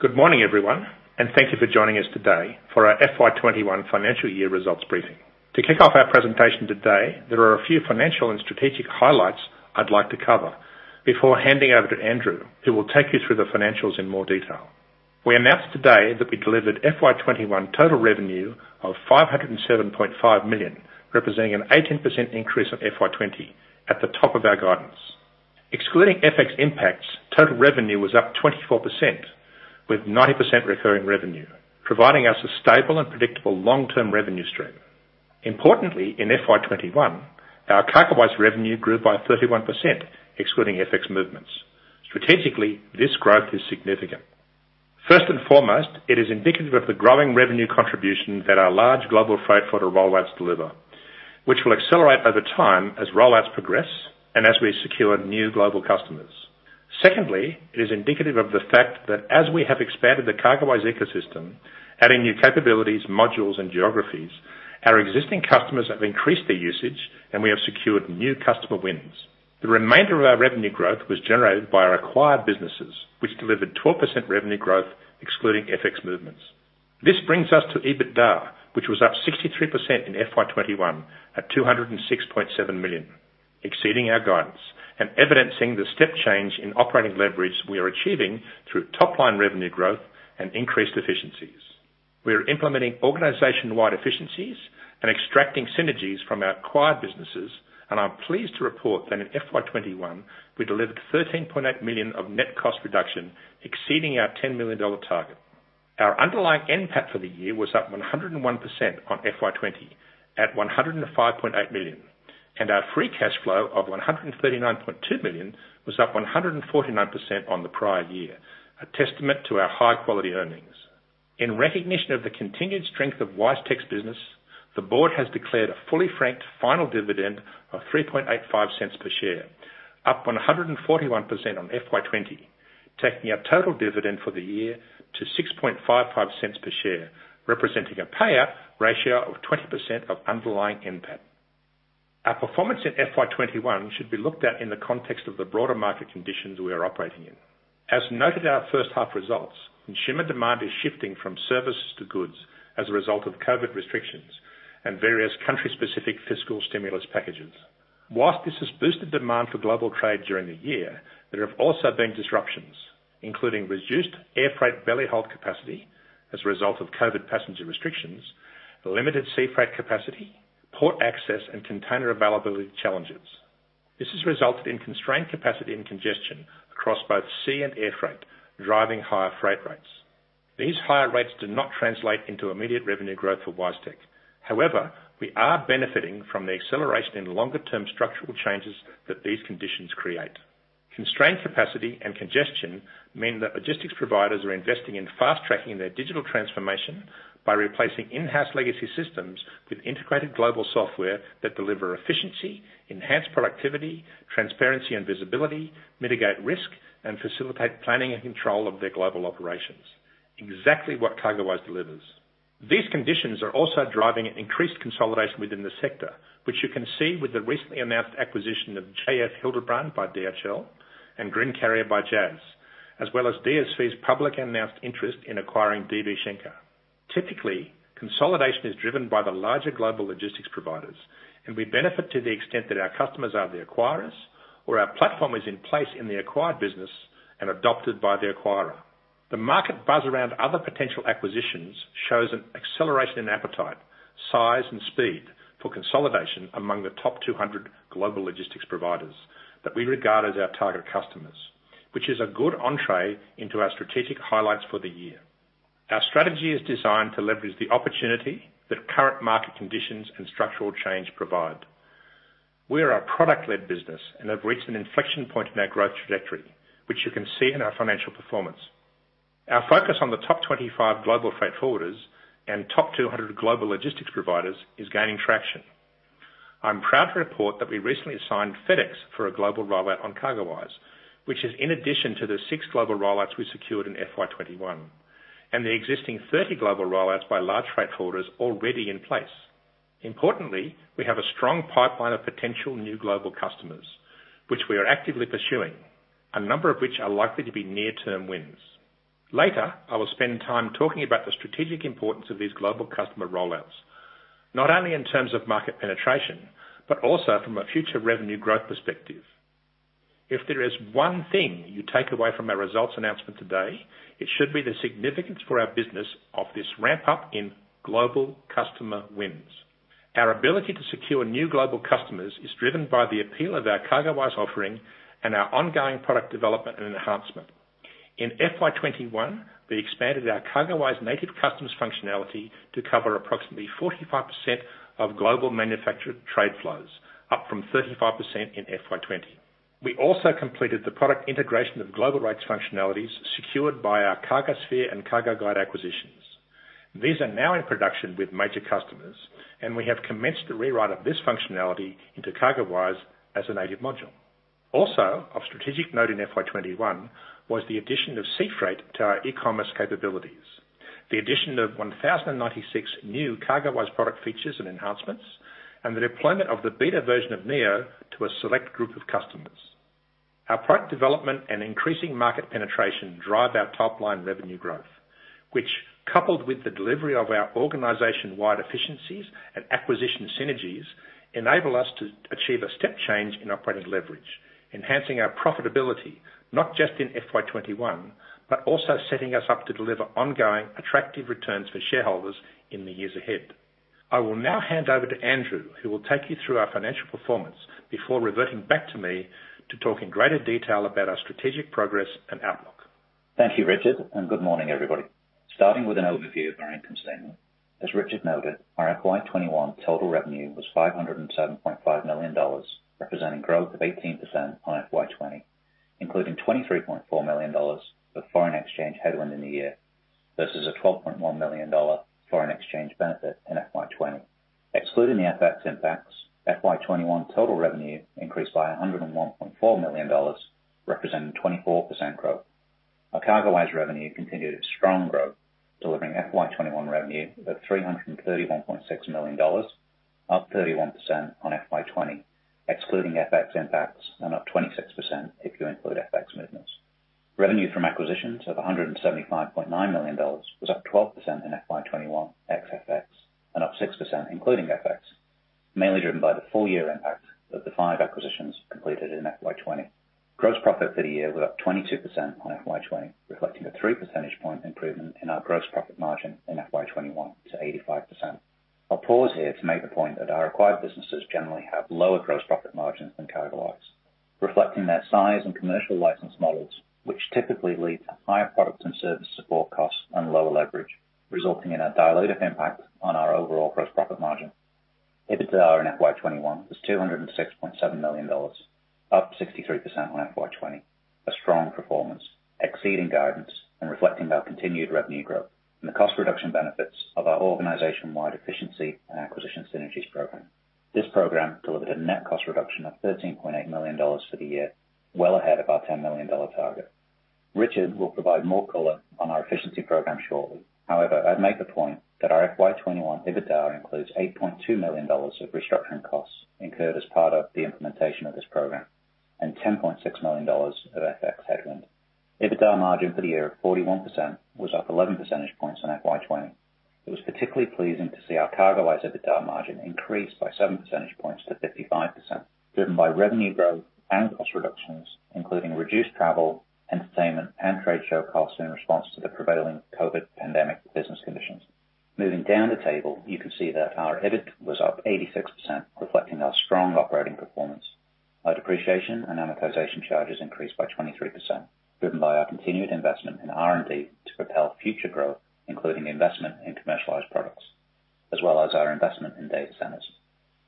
Good morning, everyone, and thank you for joining us today for our FY 2021 financial year results briefing. To kick off our presentation today, there are a few financial and strategic highlights I'd like to cover before handing over to Andrew, who will take you through the financials in more detail. We announced today that we delivered FY 2021 total revenue of $507.5 million, representing an 18% increase on FY 2020, at the top of our guidance. Excluding FX impacts, total revenue was up 24%, with 90% recurring revenue, providing us a stable and predictable long-term revenue stream. Importantly, in FY 2021, our CargoWise revenue grew by 31%, excluding FX movements. Strategically, this growth is significant. First and foremost, it is indicative of the growing revenue contribution that our large global freight forwarder rollouts deliver, which will accelerate over time as rollouts progress and as we secure new global customers. Secondly, it is indicative of the fact that as we have expanded the CargoWise ecosystem, adding new capabilities, modules and geographies, our existing customers have increased their usage and we have secured new customer wins. The remainder of our revenue growth was generated by our acquired businesses, which delivered 12% revenue growth excluding FX movements. This brings us to EBITDA, which was up 63% in FY 2021 at $206.7 million, exceeding our guidance and evidencing the step change in operating leverage we are achieving through top-line revenue growth and increased efficiencies. We are implementing organization-wide efficiencies and extracting synergies from our acquired businesses, and I'm pleased to report that in FY 2021, we delivered $13.8 million of net cost reduction, exceeding our $10 million target. Our underlying NPAT for the year was up 101% on FY 2020 at $105.8 million, and our free cash flow of $139.2 million was up 149% on the prior year, a testament to our high-quality earnings. In recognition of the continued strength of WiseTech's business, the Board has declared a fully franked final dividend of $0.0385 per share, up 141% on FY 2020, taking our total dividend for the year to $0.0655 per share, representing a payout ratio of 20% of underlying NPAT. Our performance in FY 2021 should be looked at in the context of the broader market conditions we are operating in. As noted in our first half results, consumer demand is shifting from services to goods as a result of COVID restrictions and various country-specific fiscal stimulus packages. Whilst this has boosted demand for global trade during the year, there have also been disruptions, including reduced air freight belly hold capacity as a result of COVID passenger restrictions, limited sea freight capacity, port access, and container availability challenges. This has resulted in constrained capacity and congestion across both sea and air freight, driving higher freight rates. These higher rates do not translate into immediate revenue growth for WiseTech. However, we are benefiting from the acceleration in longer-term structural changes that these conditions create. Constrained capacity and congestion mean that logistics providers are investing in fast-tracking their digital transformation by replacing in-house legacy systems with integrated global software that deliver efficiency, enhanced productivity, transparency and visibility, mitigate risk, and facilitate planning and control of their global operations. Exactly what CargoWise delivers. These conditions are also driving an increased consolidation within the sector, which you can see with the recently announced acquisition of J.F. Hillebrand by DHL and Greencarrier by JAS, as well as DSV's public announced interest in acquiring DB Schenker. Typically, consolidation is driven by the larger global logistics providers, and we benefit to the extent that our customers are the acquirers or our platform is in place in the acquired business and adopted by the acquirer. The market buzz around other potential acquisitions shows an acceleration in appetite, size, and speed for consolidation among the top 200 global logistics providers that we regard as our target customers, which is a good entrée into our strategic highlights for the year. Our strategy is designed to leverage the opportunity that current market conditions and structural change provide. We're a product-led business and have reached an inflection point in our growth trajectory, which you can see in our financial performance. Our focus on the top 25 global freight forwarders and top 200 global logistics providers is gaining traction. I'm proud to report that we recently signed FedEx for a global rollout on CargoWise, which is in addition to the six global rollouts we secured in FY 2021, and the existing 30 global rollouts by large freight forwarders already in place. Importantly, we have a strong pipeline of potential new global customers, which we are actively pursuing, a number of which are likely to be near-term wins. Later, I will spend time talking about the strategic importance of these global customer rollouts, not only in terms of market penetration, but also from a future revenue growth perspective. If there is one thing you take away from our results announcement today, it should be the significance for our business of this ramp-up in global customer wins. Our ability to secure new global customers is driven by the appeal of our CargoWise offering and our ongoing product development and enhancement. In FY 2021, we expanded our CargoWise native customs functionality to cover approximately 45% of global manufactured trade flows, up from 35% in FY 2020. We also completed the product integration of global rates functionalities secured by our CargoSphere and CargoGuide acquisitions. These are now in production with major customers, and we have commenced the rewrite of this functionality into CargoWise as a native module. Also of strategic note in FY 2021 was the addition of sea freight to our e-commerce capabilities. The addition of 1,096 new CargoWise product features and enhancements, and the deployment of the beta version of Neo to a select group of customers. Our product development and increasing market penetration drive our top-line revenue growth. Which, coupled with the delivery of our organization-wide efficiencies and acquisition synergies, enable us to achieve a step change in operating leverage, enhancing our profitability, not just in FY 2021, but also setting us up to deliver ongoing attractive returns for shareholders in the years ahead. I will now hand over to Andrew, who will take you through our financial performance before reverting back to me to talk in greater detail about our strategic progress and outlook Thank you, Richard, and good morning, everybody. Starting with an overview of our income statement. As Richard noted, our FY 2021 total revenue was $507.5 million, representing growth of 18% on FY 2020, including $23.4 million of foreign exchange headwind in the year, versus a $12.1 million foreign exchange benefit in FY 2020. Excluding the FX impacts, FY 2021 total revenue increased by $101.4 million, representing 24% growth. Our CargoWise revenue continued its strong growth, delivering FY 2021 revenue of $331.6 million, up 31% on FY 2020. Excluding FX impacts and up 26% if you include FX movements. Revenue from acquisitions of $175.9 million was up 12% in FY 2021 ex FX, and up 6% including FX, mainly driven by the full year impact of the 5 acquisitions completed in FY 2020. Gross profit for the year were up 22% on FY 2020, reflecting a 3 percentage point improvement in our gross profit margin in FY 2021 to 85%. I'll pause here to make the point that our acquired businesses generally have lower gross profit margins than CargoWise, reflecting their size and commercial license models, which typically lead to higher products and service support costs and lower leverage, resulting in a dilutive impact on our overall gross profit margin. EBITDA in FY 2021 was $206.7 million, up 63% on FY 2020. A strong performance, exceeding guidance and reflecting our continued revenue growth and the cost reduction benefits of our organization-wide efficiency and acquisition synergies program. This program delivered a net cost reduction of $13.8 million for the year, well ahead of our $10 million target. Richard will provide more color on our efficiency program shortly. I'd make the point that our FY 2021 EBITDA includes $8.2 million of restructuring costs incurred as part of the implementation of this program, and $10.6 million of FX headwind. EBITDA margin for the year of 41% was up 11 percentage points on FY 2020. It was particularly pleasing to see our CargoWise EBITDA margin increase by 7 percentage points to 55%, driven by revenue growth and cost reductions, including reduced travel, entertainment, and trade show costs in response to the prevailing COVID pandemic business conditions. Moving down the table, you can see that our EBIT was up 86%, reflecting our strong operating performance. Our depreciation and amortization charges increased by 23%, driven by our continued investment in R&D to propel future growth, including investment in commercialized products, as well as our investment in data centers.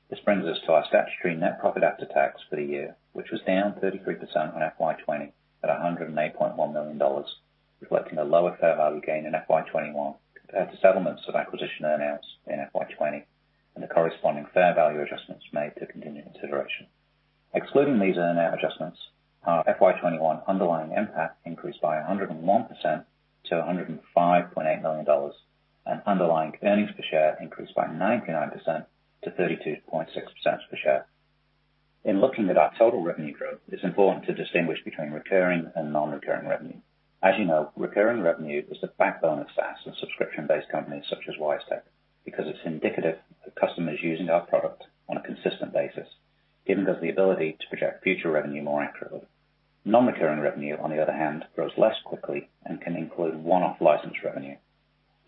This brings us to our statutory net profit after tax for the year, which was down 33% on FY 2020 at $108.1 million, reflecting a lower fair value gain in FY 2021 compared to settlements of acquisition earn-outs in FY 2020, and the corresponding fair value adjustments made to contingent consideration. Excluding these earn-out adjustments, our FY 2021 underlying NPAT increased by 101% to $105.8 million. Underlying earnings per share increased by 99% to $0.326 per share. In looking at our total revenue growth, it's important to distinguish between recurring and non-recurring revenue. As you know, recurring revenue is the backbone of SaaS and subscription-based companies such as WiseTech. It's indicative of customers using our product on a consistent basis, giving us the ability to project future revenue more accurately. Non-recurring revenue, on the other hand, grows less quickly and can include one-off license revenue.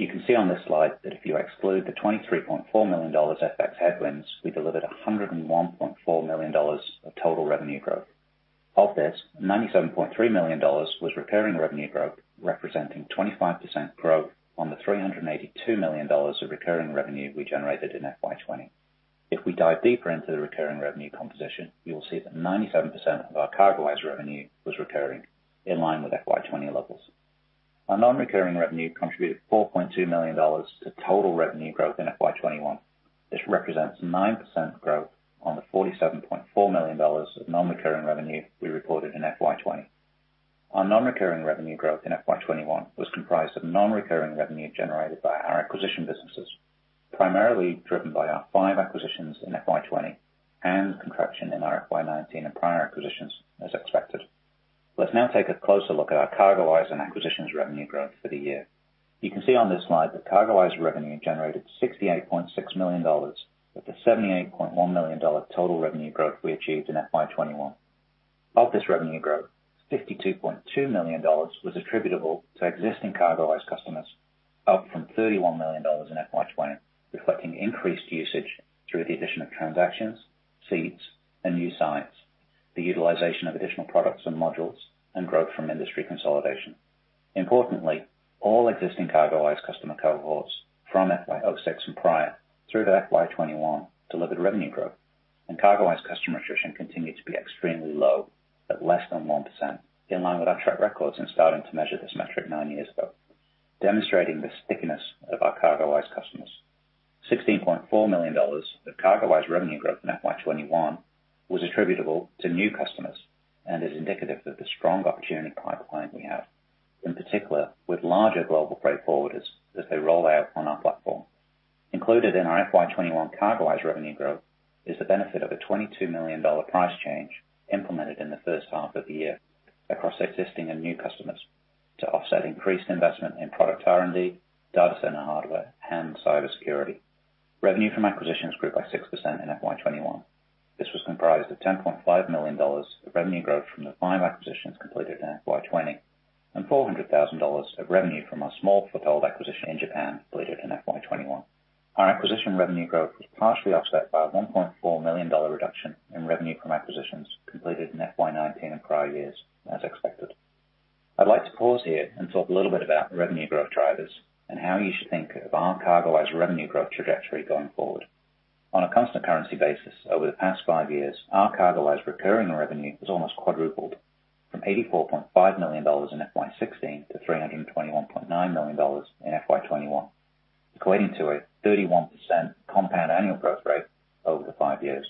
You can see on this slide that if you exclude the $23.4 million FX headwinds, we delivered $101.4 million of total revenue growth. Of this, $97.3 million was recurring revenue growth, representing 25% growth on the $382 million of recurring revenue we generated in FY 2020. If we dive deeper into the recurring revenue composition, you will see that 97% of our CargoWise revenue was recurring in line with FY 2020 levels. Our non-recurring revenue contributed $4.2 million to total revenue growth in FY 2021. This represents 9% growth on the $47.4 million of non-recurring revenue we reported in FY 2020. Our non-recurring revenue growth in FY 2021 was comprised of non-recurring revenue generated by our acquisition businesses, primarily driven by our five acquisitions in FY 2020 and contraction in our FY 2019 and prior acquisitions as expected. Let's now take a closer look at our CargoWise and acquisitions revenue growth for the year. You can see on this slide that CargoWise revenue generated $68.6 million, with the $78.1 million total revenue growth we achieved in FY 2021. Of this revenue growth, $52.2 million was attributable to existing CargoWise customers, up from $31 million in FY 2020, reflecting increased usage through the addition of transactions, seats, and new sites, the utilization of additional products and modules, and growth from industry consolidation. Importantly, all existing CargoWise customer cohorts from FY 2006 and prior through to FY 2021 delivered revenue growth and CargoWise customer attrition continued to be extremely low at less than 1%, in line with our track records and starting to measure this metric nine years ago. Demonstrating the stickiness of our CargoWise customers. $16.4 million of CargoWise revenue growth in FY 2021 was attributable to new customers and is indicative of the strong opportunity pipeline we have, in particular with larger global freight forwarders as they roll out on our platform. Included in our FY 2021 CargoWise revenue growth is the benefit of a $22 million price change implemented in the first half of the year across existing and new customers to offset increased investment in product R&D, data center hardware, and cybersecurity. Revenue from acquisitions grew by 6% in FY 2021. This was comprised of $10.5 million of revenue growth from the five acquisitions completed in FY 2020, and $400,000 of revenue from our small foothold acquisition in Japan completed in FY 2021. Our acquisition revenue growth was partially offset by a $1.4 million reduction in revenue from acquisitions completed in FY 2019 and prior years, as expected. I'd like to pause here and talk a little bit about revenue growth drivers and how you should think of our CargoWise revenue growth trajectory going forward. On a constant currency basis over the past five years, our CargoWise recurring revenue has almost quadrupled from $84.5 million in FY 2016 to $321.9 million in FY 2021, equating to a 31% compound annual growth rate over the five years.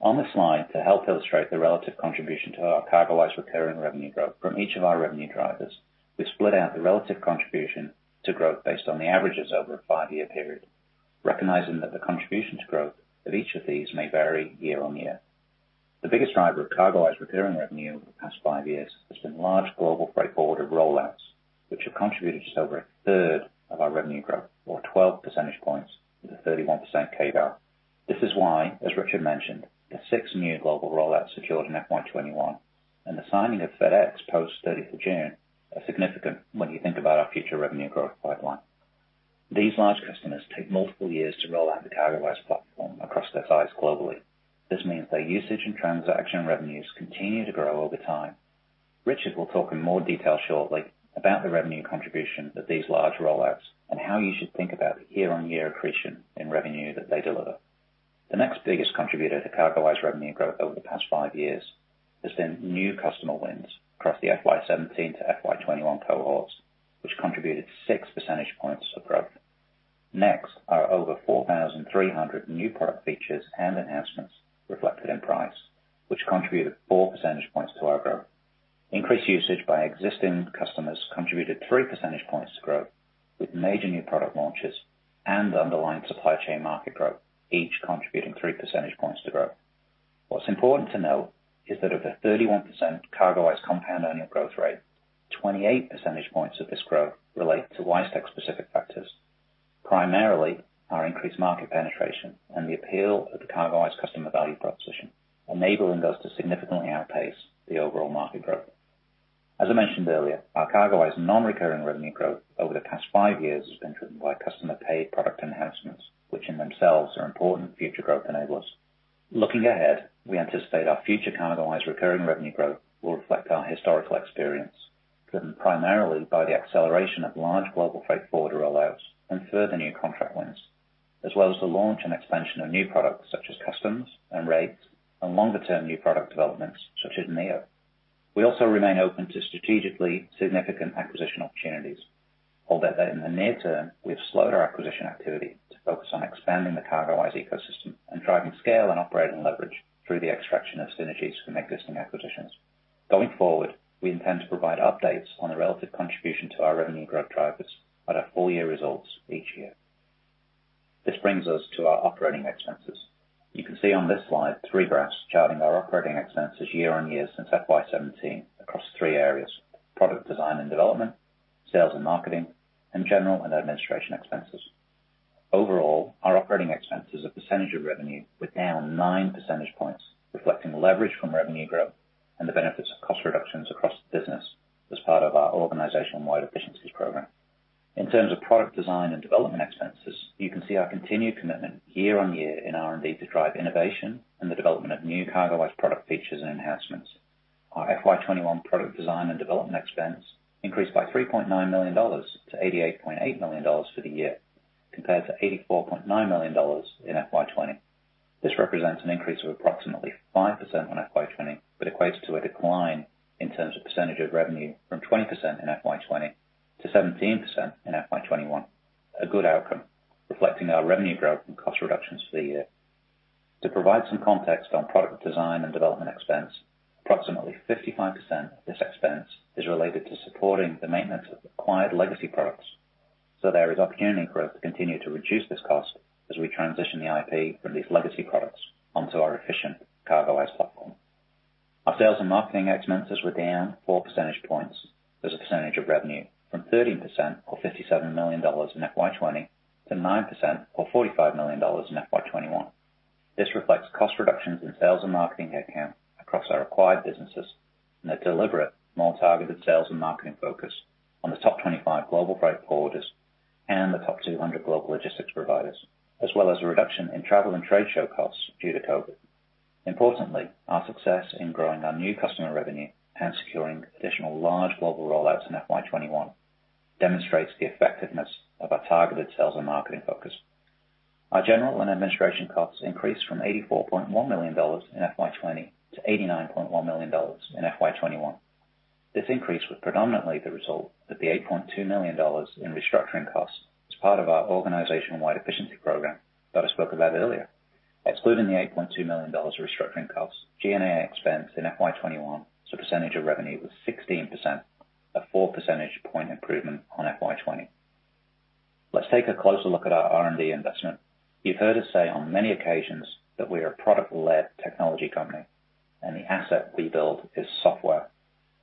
On this slide, to help illustrate the relative contribution to our CargoWise recurring revenue growth from each of our revenue drivers, we split out the relative contribution to growth based on the averages over a five-year period, recognizing that the contribution to growth of each of these may vary year-on-year. The biggest driver of CargoWise recurring revenue over the past five years has been large global freight forwarder rollouts, which have contributed to over 1/3 of our revenue growth, or 12 percentage points to the 31% CAGR. This is why, as Richard mentioned, the six new global rollouts secured in FY 2021 and the signing of FedEx post 30th of June are significant when you think about our future revenue growth pipeline. These large customers take multiple years to roll out the CargoWise platform across their sites globally. This means their usage and transaction revenues continue to grow over time. Richard will talk in more detail shortly about the revenue contribution of these large rollouts and how you should think about the year-on-year accretion in revenue that they deliver. The next biggest contributor to CargoWise revenue growth over the past five years has been new customer wins across the FY 2017 to FY 2021 cohorts, which contributed 6 percentage points of growth. Next are over 4,300 new product features and enhancements reflected in price, which contributed 4 percentage points to our growth. Increased usage by existing customers contributed 3 percentage points to growth, with major new product launches and underlying supply chain market growth each contributing 3 percentage points to growth. What's important to note is that of the 31% CargoWise compound annual growth rate, 28 percentage points of this growth relate to WiseTech specific factors, primarily our increased market penetration and the appeal of the CargoWise customer value proposition, enabling us to significantly outpace the overall market growth. As I mentioned earlier, our CargoWise non-recurring revenue growth over the past five years has been driven by customer paid product enhancements, which in themselves are important future growth enablers. Looking ahead, we anticipate our future CargoWise recurring revenue growth will reflect our historical experience, driven primarily by the acceleration of large global freight forwarder rollouts and further new contract wins, as well as the launch and expansion of new products such as customs and rates and longer-term new product developments such as Neo. We also remain open to strategically significant acquisition opportunities, although in the near term, we have slowed our acquisition activity to focus on expanding the CargoWise ecosystem and driving scale and operating leverage through the extraction of synergies from existing acquisitions. Going forward, we intend to provide updates on the relative contribution to our revenue growth drivers at our full year results each year. This brings us to our operating expenses. You can see on this slide three graphs charting our operating expenses year-on-year since FY 2017 across three areas, product design and development, sales and marketing, and general and administration expenses. Overall, our operating expenses as a percentage of revenue were down nine percentage points, reflecting leverage from revenue growth and the benefits of cost reductions across the business as part of our organizational wide efficiencies program. In terms of product design and development expenses, you can see our continued commitment year-on-year in R&D to drive innovation and the development of new CargoWise product features and enhancements. Our FY 2021 product design and development expense increased by $3.9 million-$88.8 million for the year, compared to $84.9 million in FY 2020. This represents an increase of approximately 5% on FY 2020, but equates to a decline in terms of percentage of revenue from 20% in FY 2020 to 17% in FY 2021, a good outcome reflecting our revenue growth and cost reductions for the year. To provide some context on product design and development expense, approximately 55% of this expense is related to supporting the maintenance of acquired legacy products. There is opportunity for us to continue to reduce this cost as we transition the IP from these legacy products onto our efficient CargoWise platform. Our sales and marketing expenses were down four percentage points as a percentage of revenue from 13%, or $57 million in FY 2020, to 9%, or $45 million in FY 2021. This reflects cost reductions in sales and marketing headcount across our acquired businesses and a deliberate, more targeted sales and marketing focus on the top 25 global freight forwarders and the top 200 global logistics providers, as well as a reduction in travel and trade show costs due to COVID. Importantly, our success in growing our new customer revenue and securing additional large global rollouts in FY 2021 demonstrates the effectiveness of our targeted sales and marketing focus. Our general and administration costs increased from $84.1 million in FY 2020 to $89.1 million in FY 2021. This increase was predominantly the result of the $8.2 million in restructuring costs as part of our organization-wide efficiency program that I spoke about earlier. Excluding the $8.2 million restructuring costs, G&A expense in FY 2021 as a percentage of revenue was 16%, a four percentage point improvement on FY 2020. Let's take a closer look at our R&D investment. You've heard us say on many occasions that we are a product-led technology company, and the asset we build is software.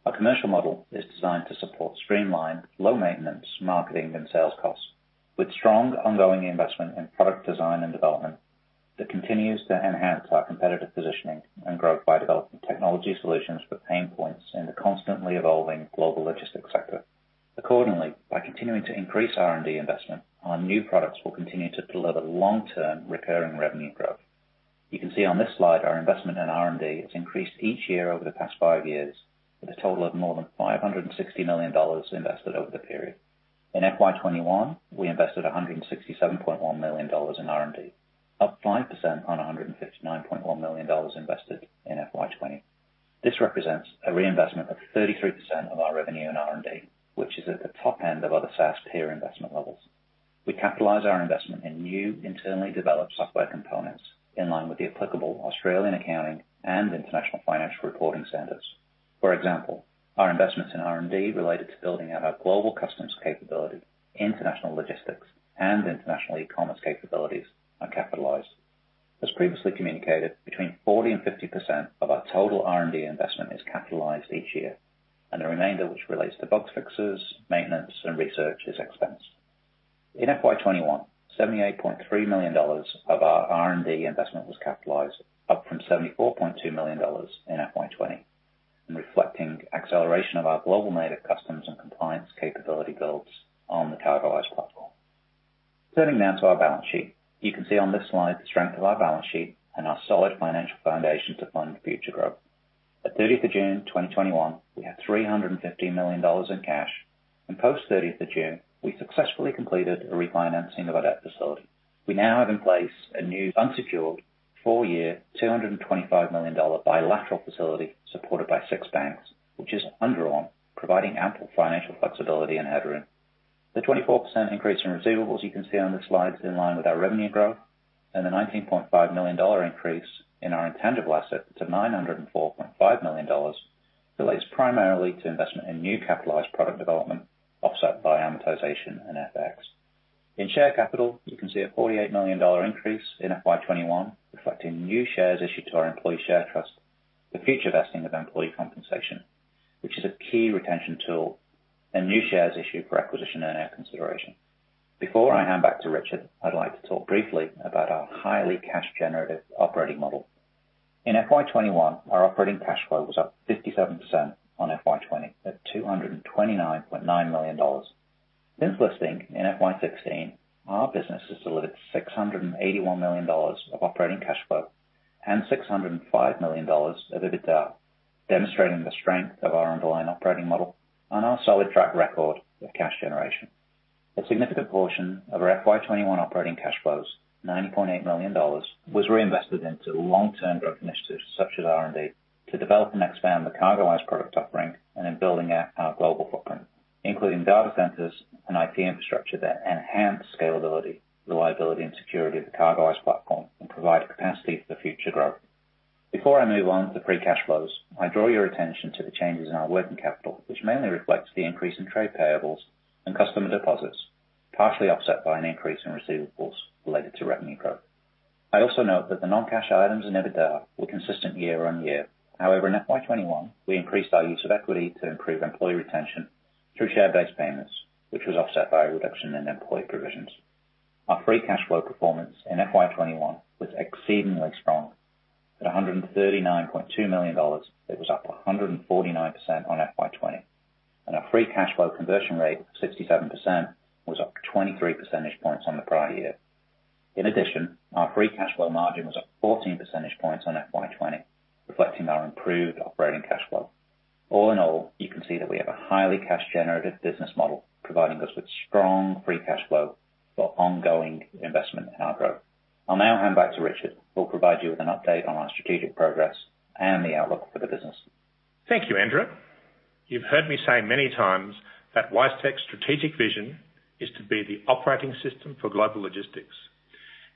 Our commercial model is designed to support streamlined, low-maintenance marketing and sales costs with strong ongoing investment in product design and development that continues to enhance our competitive positioning and growth by developing technology solutions for pain points in the constantly evolving global logistics sector. Accordingly, by continuing to increase R&D investment, our new products will continue to deliver long-term recurring revenue growth. You can see on this slide, our investment in R&D has increased each year over the past five years with a total of more than $560 million invested over the period. In FY 2021, we invested $167.1 million in R&D, up 5% on $159.1 million invested in FY 2020. This represents a reinvestment of 33% of our revenue in R&D, which is at the top end of other SaaS peer investment levels. We capitalize our investment in new internally developed software components in line with the applicable Australian accounting and International Financial Reporting Standards. For example, our investments in R&D related to building out our global customs capability, international logistics, and international e-commerce capabilities are capitalized. As previously communicated, between 40% and 50% of our total R&D investment is capitalized each year, and the remainder, which relates to bug fixes, maintenance, and research, is expensed. In FY 2021, $78.3 million of our R&D investment was capitalized, up from $74.2 million in FY 2020, and reflecting acceleration of our global native customs and compliance capability builds on the CargoWise platform. Turning now to our balance sheet. You can see on this slide the strength of our balance sheet and our solid financial foundation to fund future growth. At 30th of June 2021, we had $315 million in cash, and post-30th of June, we successfully completed a refinancing of our debt facility. We now have in place a new unsecured four-year, $225 million bilateral facility supported by six banks, which is undrawn, providing ample financial flexibility and headroom. The 24% increase in receivables you can see on the slide is in line with our revenue growth, and the $19.5 million increase in our intangible asset to $904.5 million relates primarily to investment in new capitalized product development offset by amortization and FX. In share capital, you can see a $48 million increase in FY 2021, reflecting new shares issued to our employee share trust for future vesting of employee compensation, which is a key retention tool and new shares issued for acquisition earn-out consideration. Before I hand back to Richard, I'd like to talk briefly about our highly cash-generative operating model. In FY 2021, our operating cash flow was up 57% on FY 2020 at $229.9 million. Since listing in FY 2016, our business has delivered $681 million of operating cash flow and $605 million of EBITDA, demonstrating the strength of our underlying operating model and our solid track record of cash generation. A significant portion of our FY 2021 operating cash flows, $9.8 million, was reinvested into long-term growth initiatives such as R&D to develop and expand the CargoWise product offering and in building out our global footprint, including data centers and IT infrastructure that enhance scalability, reliability, and security of the CargoWise platform and provide capacity for future growth. Before I move on to free cash flows, I draw your attention to the changes in our working capital, which mainly reflects the increase in trade payables and customer deposits, partially offset by an increase in receivables related to revenue growth. I also note that the non-cash items in EBITDA were consistent year-on-year. In FY 2021, we increased our use of equity to improve employee retention through share-based payments, which was offset by a reduction in employee provisions. Our free cash flow performance in FY 2021 was exceedingly strong. At $139.2 million, it was up 149% on FY 2020, and our free cash flow conversion rate of 67% was up 23 percentage points on the prior year. In addition, our free cash flow margin was up 14 percentage points on FY 2020, reflecting our improved operating cash flow. All in all, you can see that we have a highly cash-generative business model, providing us with strong free cash flow for ongoing investment in our growth. I'll now hand back to Richard, who will provide you with an update on our strategic progress and the outlook for the business. Thank you, Andrew. You've heard me say many times that WiseTech's strategic vision is to be the operating system for global logistics.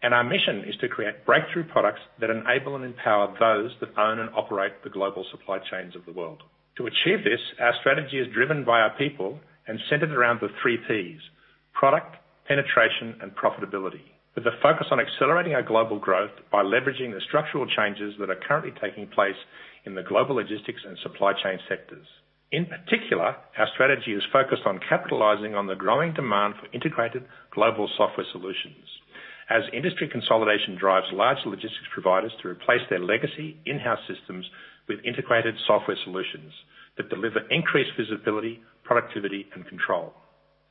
Our mission is to create breakthrough products that enable and empower those that own and operate the global supply chains of the world. To achieve this, our strategy is driven by our people and centered around the three Ps: product, penetration, and profitability, with a focus on accelerating our global growth by leveraging the structural changes that are currently taking place in the global logistics and supply chain sectors. In particular, our strategy is focused on capitalizing on the growing demand for integrated global software solutions as industry consolidation drives large logistics providers to replace their legacy in-house systems with integrated software solutions that deliver increased visibility, productivity, and control.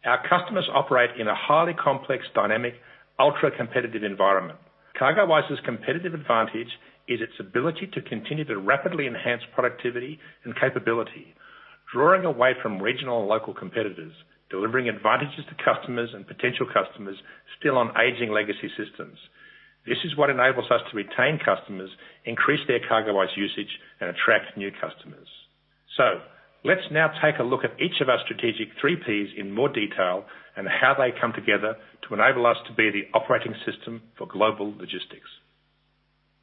Our customers operate in a highly complex, dynamic, ultra-competitive environment. CargoWise's competitive advantage is its ability to continue to rapidly enhance productivity and capability, drawing away from regional and local competitors, delivering advantages to customers and potential customers still on aging legacy systems. This is what enables us to retain customers, increase their CargoWise usage, and attract new customers. Let's now take a look at each of our strategic three Ps in more detail and how they come together to enable us to be the operating system for global logistics.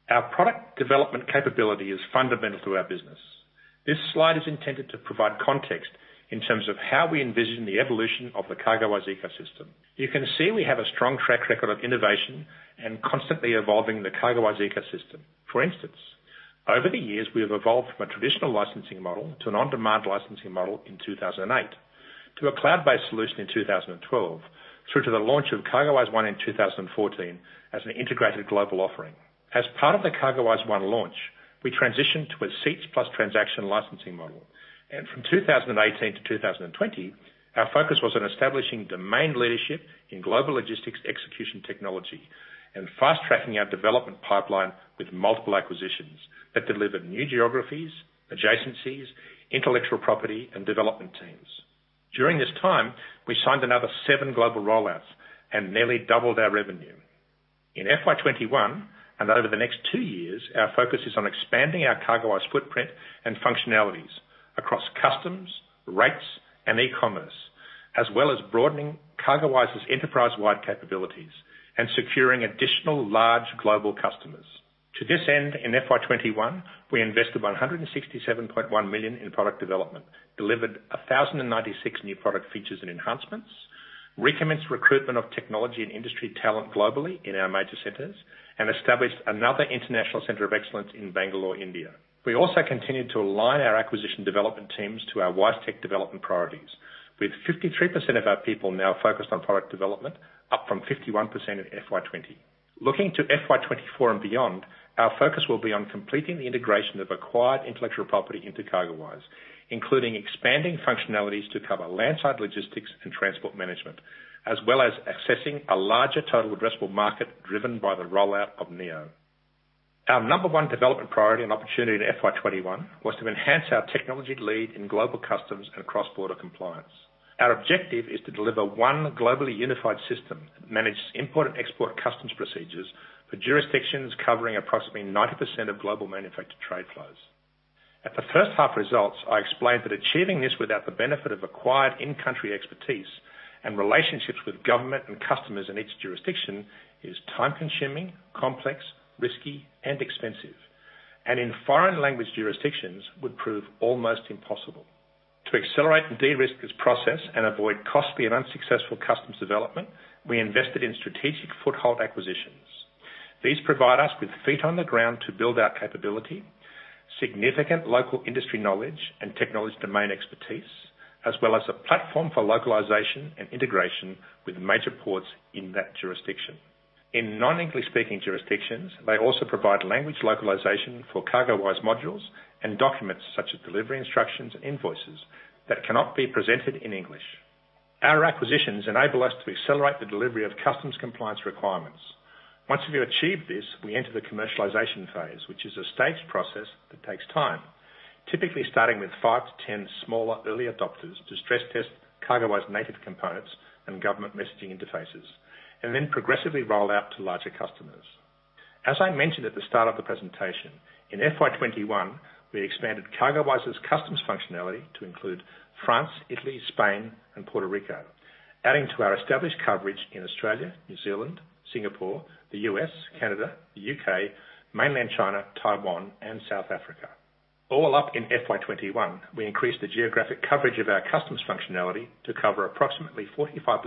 Our product development capability is fundamental to our business. This slide is intended to provide context in terms of how we envision the evolution of the CargoWise ecosystem. You can see we have a strong track record of innovation and constantly evolving the CargoWise ecosystem. For instance, over the years, we have evolved from a traditional licensing model to an on-demand licensing model in 2008, to a cloud-based solution in 2012, through to the launch of CargoWise One in 2014 as an integrated global offering. As part of the CargoWise One launch, we transitioned to a seats plus transaction licensing model. From 2018 to 2020, our focus was on establishing domain leadership in global logistics execution technology and fast-tracking our development pipeline with multiple acquisitions that delivered new geographies, adjacencies, intellectual property, and development teams. During this time, we signed another seven global rollouts and nearly doubled our revenue. In FY 2021 and over the next two years, our focus is on expanding our CargoWise footprint and functionalities across customs, rates, and e-commerce, as well as broadening CargoWise's enterprise-wide capabilities and securing additional large global customers. To this end, in FY 2021, we invested $167.1 million in product development, delivered 1,096 new product features and enhancements, recommenced recruitment of technology and industry talent globally in our major centers, and established another international center of excellence in Bangalore, India. We also continued to align our acquisition development teams to our WiseTech development priorities. With 53% of our people now focused on product development, up from 51% in FY 2020. Looking to FY 2024 and beyond, our focus will be on completing the integration of acquired intellectual property into CargoWise, including expanding functionalities to cover landside logistics and transport management, as well as accessing a larger total addressable market driven by the rollout of Neo. Our number one development priority and opportunity in FY 2021 was to enhance our technology lead in global customs and cross-border compliance. Our objective is to deliver one globally unified system that manages import and export customs procedures for jurisdictions covering approximately 90% of global manufactured trade flows. At the first half results, I explained that achieving this without the benefit of acquired in-country expertise and relationships with government and customers in each jurisdiction is time-consuming, complex, risky, and expensive. In foreign language jurisdictions, would prove almost impossible. To accelerate and de-risk this process and avoid costly and unsuccessful customs development, we invested in strategic foothold acquisitions. These provide us with feet on the ground to build our capability, significant local industry knowledge and technology domain expertise, as well as a platform for localization and integration with major ports in that jurisdiction. In non-English-speaking jurisdictions, they also provide language localization for CargoWise modules and documents such as delivery instructions and invoices that cannot be presented in English. Our acquisitions enable us to accelerate the delivery of customs compliance requirements. Once we have achieved this, we enter the commercialization phase, which is a staged process that takes time. Typically, starting with five to 10 smaller early adopters to stress test CargoWise native components and government messaging interfaces, and then progressively roll out to larger customers. As I mentioned at the start of the presentation, in FY 2021, we expanded CargoWise's customs functionality to include France, Italy, Spain, and Puerto Rico, adding to our established coverage in Australia, New Zealand, Singapore, the U.S., Canada, the U.K., mainland China, Taiwan, and South Africa. All up in FY 2021, we increased the geographic coverage of our customs functionality to cover approximately 45%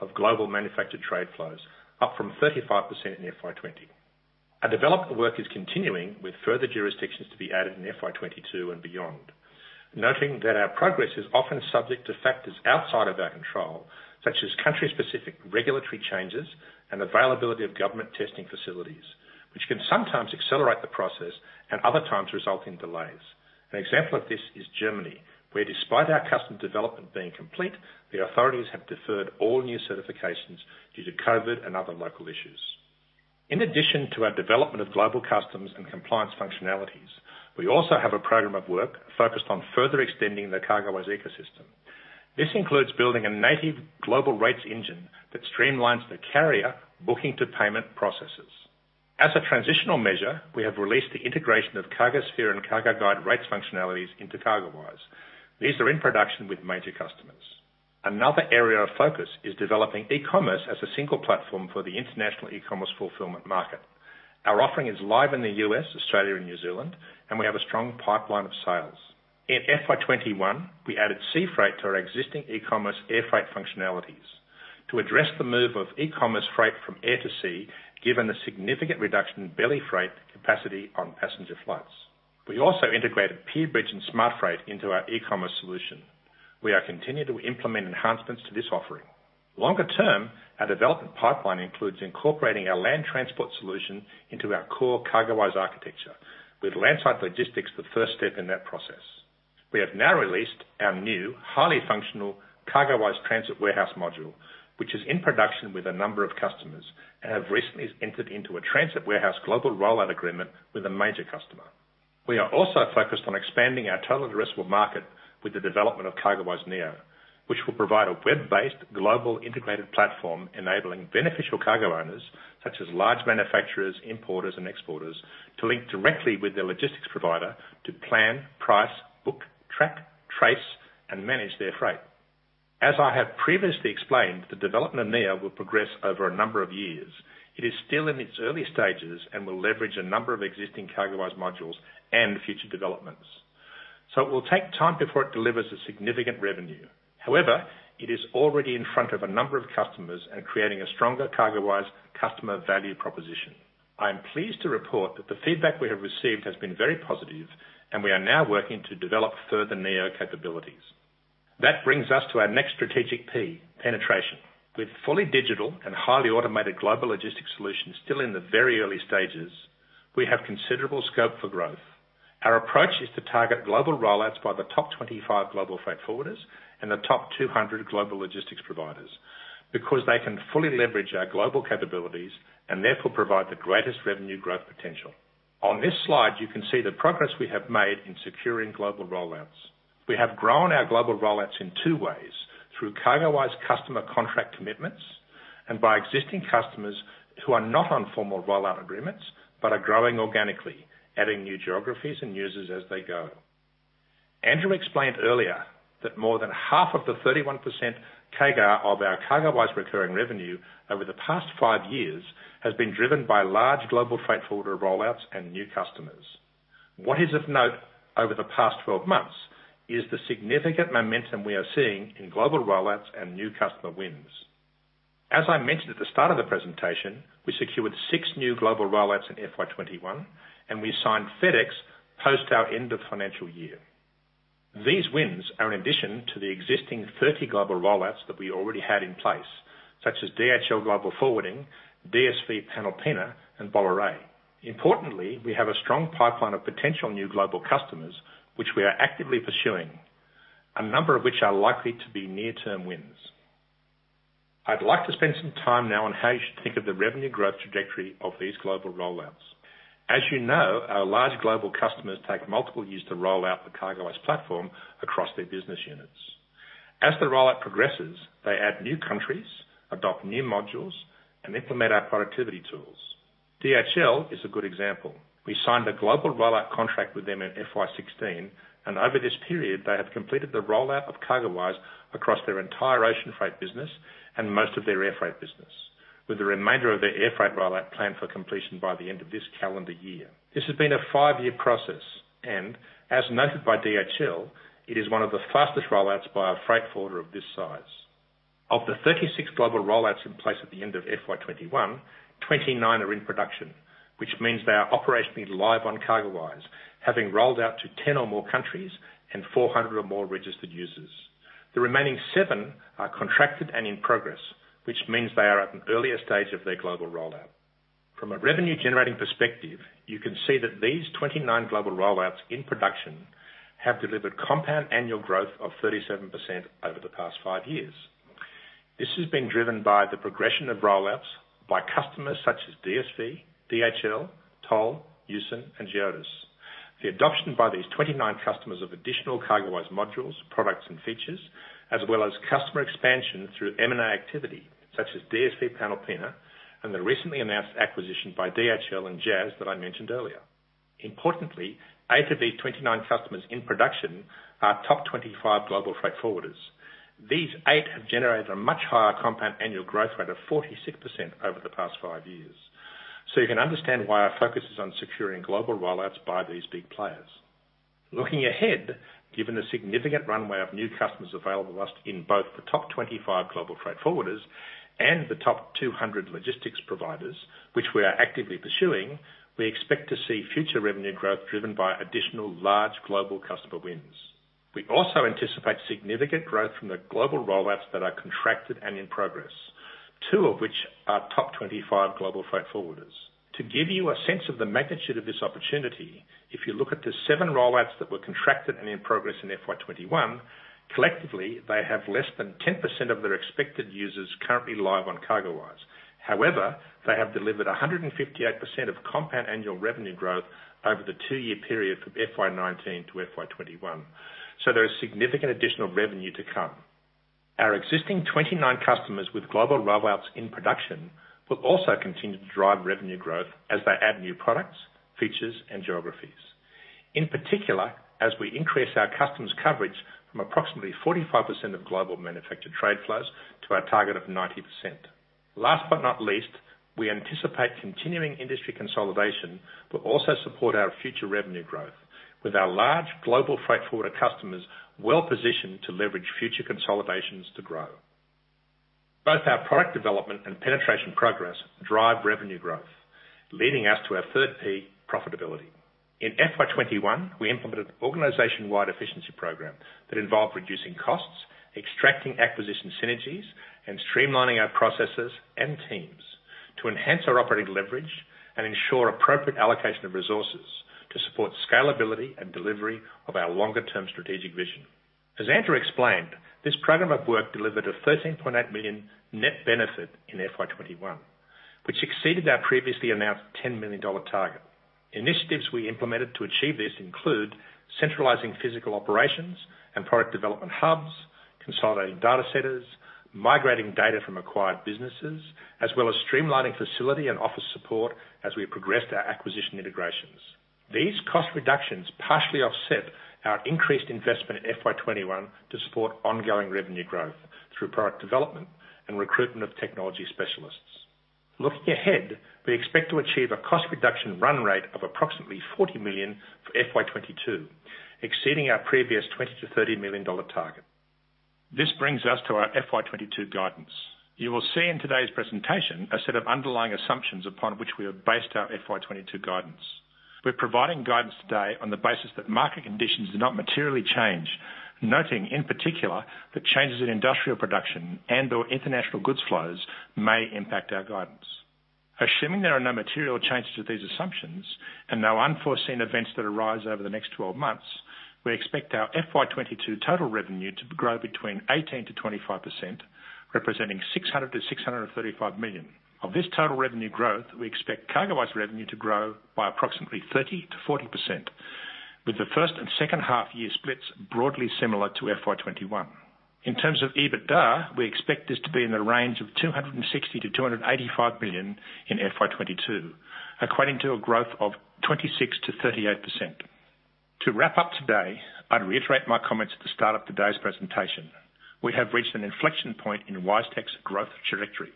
of global manufactured trade flows, up from 35% in FY 2020. Our development work is continuing with further jurisdictions to be added in FY 2022 and beyond. Noting that our progress is often subject to factors outside of our control, such as country-specific regulatory changes and availability of government testing facilities, which can sometimes accelerate the process and other times result in delays. An example of this is Germany, where despite our custom development being complete, the authorities have deferred all new certifications due to COVID and other local issues. In addition to our development of global customs and compliance functionalities, we also have a program of work focused on further extending the CargoWise ecosystem. This includes building a native global rates engine that streamlines the carrier booking to payment processes. As a transitional measure, we have released the integration of CargoSphere and CargoGuide rates functionalities into CargoWise. These are in production with major customers. Another area of focus is developing e-commerce as a single platform for the international e-commerce fulfillment market. Our offering is live in the U.S., Australia, and New Zealand. We have a strong pipeline of sales. In FY 2021, we added sea freight to our existing e-commerce air freight functionalities to address the move of e-commerce freight from air to sea, given the significant reduction in belly freight capacity on passenger flights. We also integrated Pierbridge and SmartFreight into our e-commerce solution. We are continuing to implement enhancements to this offering. Longer term, our development pipeline includes incorporating our land transport solution into our core CargoWise architecture with landside logistics the first step in that process. We have now released our new highly functional CargoWise transit warehouse module, which is in production with a number of customers and have recently entered into a transit warehouse global rollout agreement with a major customer. We are also focused on expanding our total addressable market with the development of CargoWise Neo, which will provide a web-based global integrated platform enabling beneficial cargo owners, such as large manufacturers, importers, and exporters, to link directly with their logistics provider to plan, price, book, track, trace, and manage their freight. As I have previously explained, the development of Neo will progress over a number of years. It is still in its early stages and will leverage a number of existing CargoWise modules and future developments. It will take time before it delivers a significant revenue. However, it is already in front of a number of customers and creating a stronger CargoWise customer value proposition. I am pleased to report that the feedback we have received has been very positive, and we are now working to develop further Neo capabilities. That brings us to our next strategic P, penetration. With fully digital and highly automated global logistics solutions still in the very early stages, we have considerable scope for growth. Our approach is to target global rollouts by the top 25 global freight forwarders and the top 200 global logistics providers because they can fully leverage our global capabilities and therefore provide the greatest revenue growth potential. On this slide, you can see the progress we have made in securing global rollouts. We have grown our global rollouts in two ways, through CargoWise customer contract commitments and by existing customers who are not on formal rollout agreements but are growing organically, adding new geographies and users as they go. Andrew explained earlier that more than half of the 31% CAGR of our CargoWise recurring revenue over the past five years has been driven by large global freight forwarder rollouts and new customers. What is of note over the past 12 months is the significant momentum we are seeing in global rollouts and new customer wins. As I mentioned at the start of the presentation, we secured six new global rollouts in FY 2021, and we signed FedEx post our end of financial year. These wins are in addition to the existing 30 global rollouts that we already had in place, such as DHL Global Forwarding, DSV Panalpina, and Bolloré. Importantly, we have a strong pipeline of potential new global customers which we are actively pursuing, a number of which are likely to be near-term wins. I'd like to spend some time now on how you should think of the revenue growth trajectory of these global rollouts. As you know, our large global customers take multiple years to roll out the CargoWise platform across their business units. As the rollout progresses, they add new countries, adopt new modules, and implement our productivity tools. DHL is a good example. We signed a global rollout contract with them in FY 2016, and over this period, they have completed the rollout of CargoWise across their entire ocean freight business and most of their airfreight business, with the remainder of their airfreight rollout planned for completion by the end of this calendar year. This has been a five-year process, and as noted by DHL, it is one of the fastest rollouts by a freight forwarder of this size. Of the 36 global rollouts in place at the end of FY 2021, 29 are in production, which means they are operationally live on CargoWise, having rolled out to 10 or more countries and 400 or more registered users. The remaining seven are contracted and in progress, which means they are at an earlier stage of their global rollout. From a revenue-generating perspective, you can see that these 29 global rollouts in production have delivered compound annual growth of 37% over the past five years. This has been driven by the progression of rollouts by customers such as DSV, DHL, Toll, Yusen, and Geodis. The adoption by these 25 customers of additional CargoWise modules, products, and features, as well as customer expansion through M&A activity such as DSV Panalpina and the recently announced acquisition by DHL and JAS that I mentioned earlier. Importantly, eight of the 29 customers in production are top 25 global freight forwarders. These eight have generated a much higher compound annual growth rate of 46% over the past five years. You can understand why our focus is on securing global rollouts by these big players. Looking ahead, given the significant runway of new customers available to us in both the top 25 global freight forwarders and the top 200 logistics providers, which we are actively pursuing, we expect to see future revenue growth driven by additional large global customer wins. We also anticipate significant growth from the global rollouts that are contracted and in progress, two of which are top 25 global freight forwarders. To give you a sense of the magnitude of this opportunity, if you look at the seven rollouts that were contracted and in progress in FY 2021, collectively, they have less than 10% of their expected users currently live on CargoWise. They have delivered 158% of compound annual revenue growth over the two-year period from FY 2019 to FY 2021. There is significant additional revenue to come. Our existing 29 customers with global rollouts in production will also continue to drive revenue growth as they add new products, features, and geographies, in particular, as we increase our customers' coverage from approximately 45% of global manufactured trade flows to our target of 90%. Last but not least, we anticipate continuing industry consolidation will also support our future revenue growth with our large global freight forwarder customers well-positioned to leverage future consolidations to grow. Both our product development and penetration progress drive revenue growth, leading us to our third 'P', profitability. In FY 2021, we implemented organization-wide efficiency program that involved reducing costs, extracting acquisition synergies, and streamlining our processes and teams to enhance our operating leverage and ensure appropriate allocation of resources to support scalability and delivery of our longer-term strategic vision. As Andrew explained, this program of work delivered a $13.8 million net benefit in FY 2021, which exceeded our previously announced $10 million target. Initiatives we implemented to achieve this include centralizing physical operations and product development hubs, consolidating data centers, migrating data from acquired businesses, as well as streamlining facility and office support as we progressed our acquisition integrations. These cost reductions partially offset our increased investment in FY 2021 to support ongoing revenue growth through product development and recruitment of technology specialists. Looking ahead, we expect to achieve a cost reduction run rate of approximately $40 million for FY 2022, exceeding our previous $20 million-$30 million target. This brings us to our FY 2022 guidance. You will see in today's presentation a set of underlying assumptions upon which we have based our FY 2022 guidance. We are providing guidance today on the basis that market conditions do not materially change, noting in particular that changes in industrial production and/or international goods flows may impact our guidance. Assuming there are no material changes to these assumptions and no unforeseen events that arise over the next 12 months, we expect our FY 2022 total revenue to grow between 18%-25%, representing $600 million-$635 million. Of this total revenue growth, we expect CargoWise revenue to grow by approximately 30%-40%, with the first and second half year splits broadly similar to FY 2021. In terms of EBITDA, we expect this to be in the range of $260 million-$285 million in FY 2022, equating to a growth of 26%-38%. To wrap up today, I'd reiterate my comments at the start of today's presentation. We have reached an inflection point in WiseTech's growth trajectory.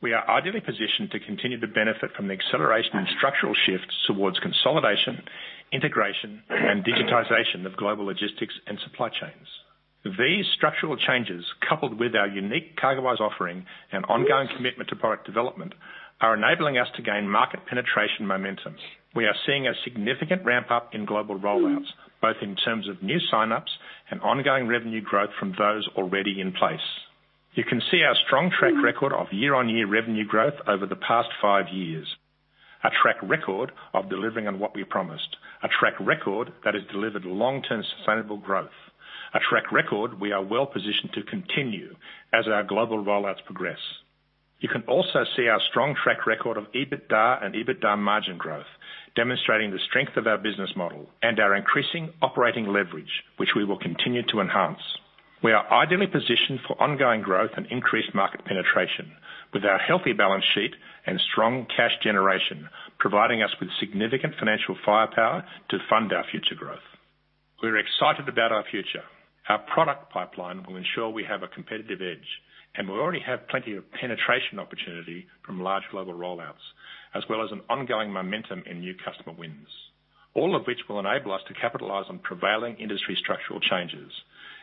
We are ideally positioned to continue to benefit from the acceleration in structural shifts towards consolidation, integration, and digitization of global logistics and supply chains. These structural changes, coupled with our unique CargoWise offering and ongoing commitment to product development, are enabling us to gain market penetration momentum. We are seeing a significant ramp-up in global roll-outs, both in terms of new sign-ups and ongoing revenue growth from those already in place. You can see our strong track record of year-on-year revenue growth over the past five years. A track record of delivering on what we promised. A track record that has delivered long-term sustainable growth. A track record we are well-positioned to continue as our global roll-outs progress. You can also see our strong track record of EBITDA and EBITDA margin growth, demonstrating the strength of our business model and our increasing operating leverage, which we will continue to enhance. We are ideally positioned for ongoing growth and increased market penetration with our healthy balance sheet and strong cash generation, providing us with significant financial firepower to fund our future growth. We're excited about our future. Our product pipeline will ensure we have a competitive edge. We already have plenty of penetration opportunity from large global roll-outs, as well as an ongoing momentum in new customer wins. All of which will enable us to capitalize on prevailing industry structural changes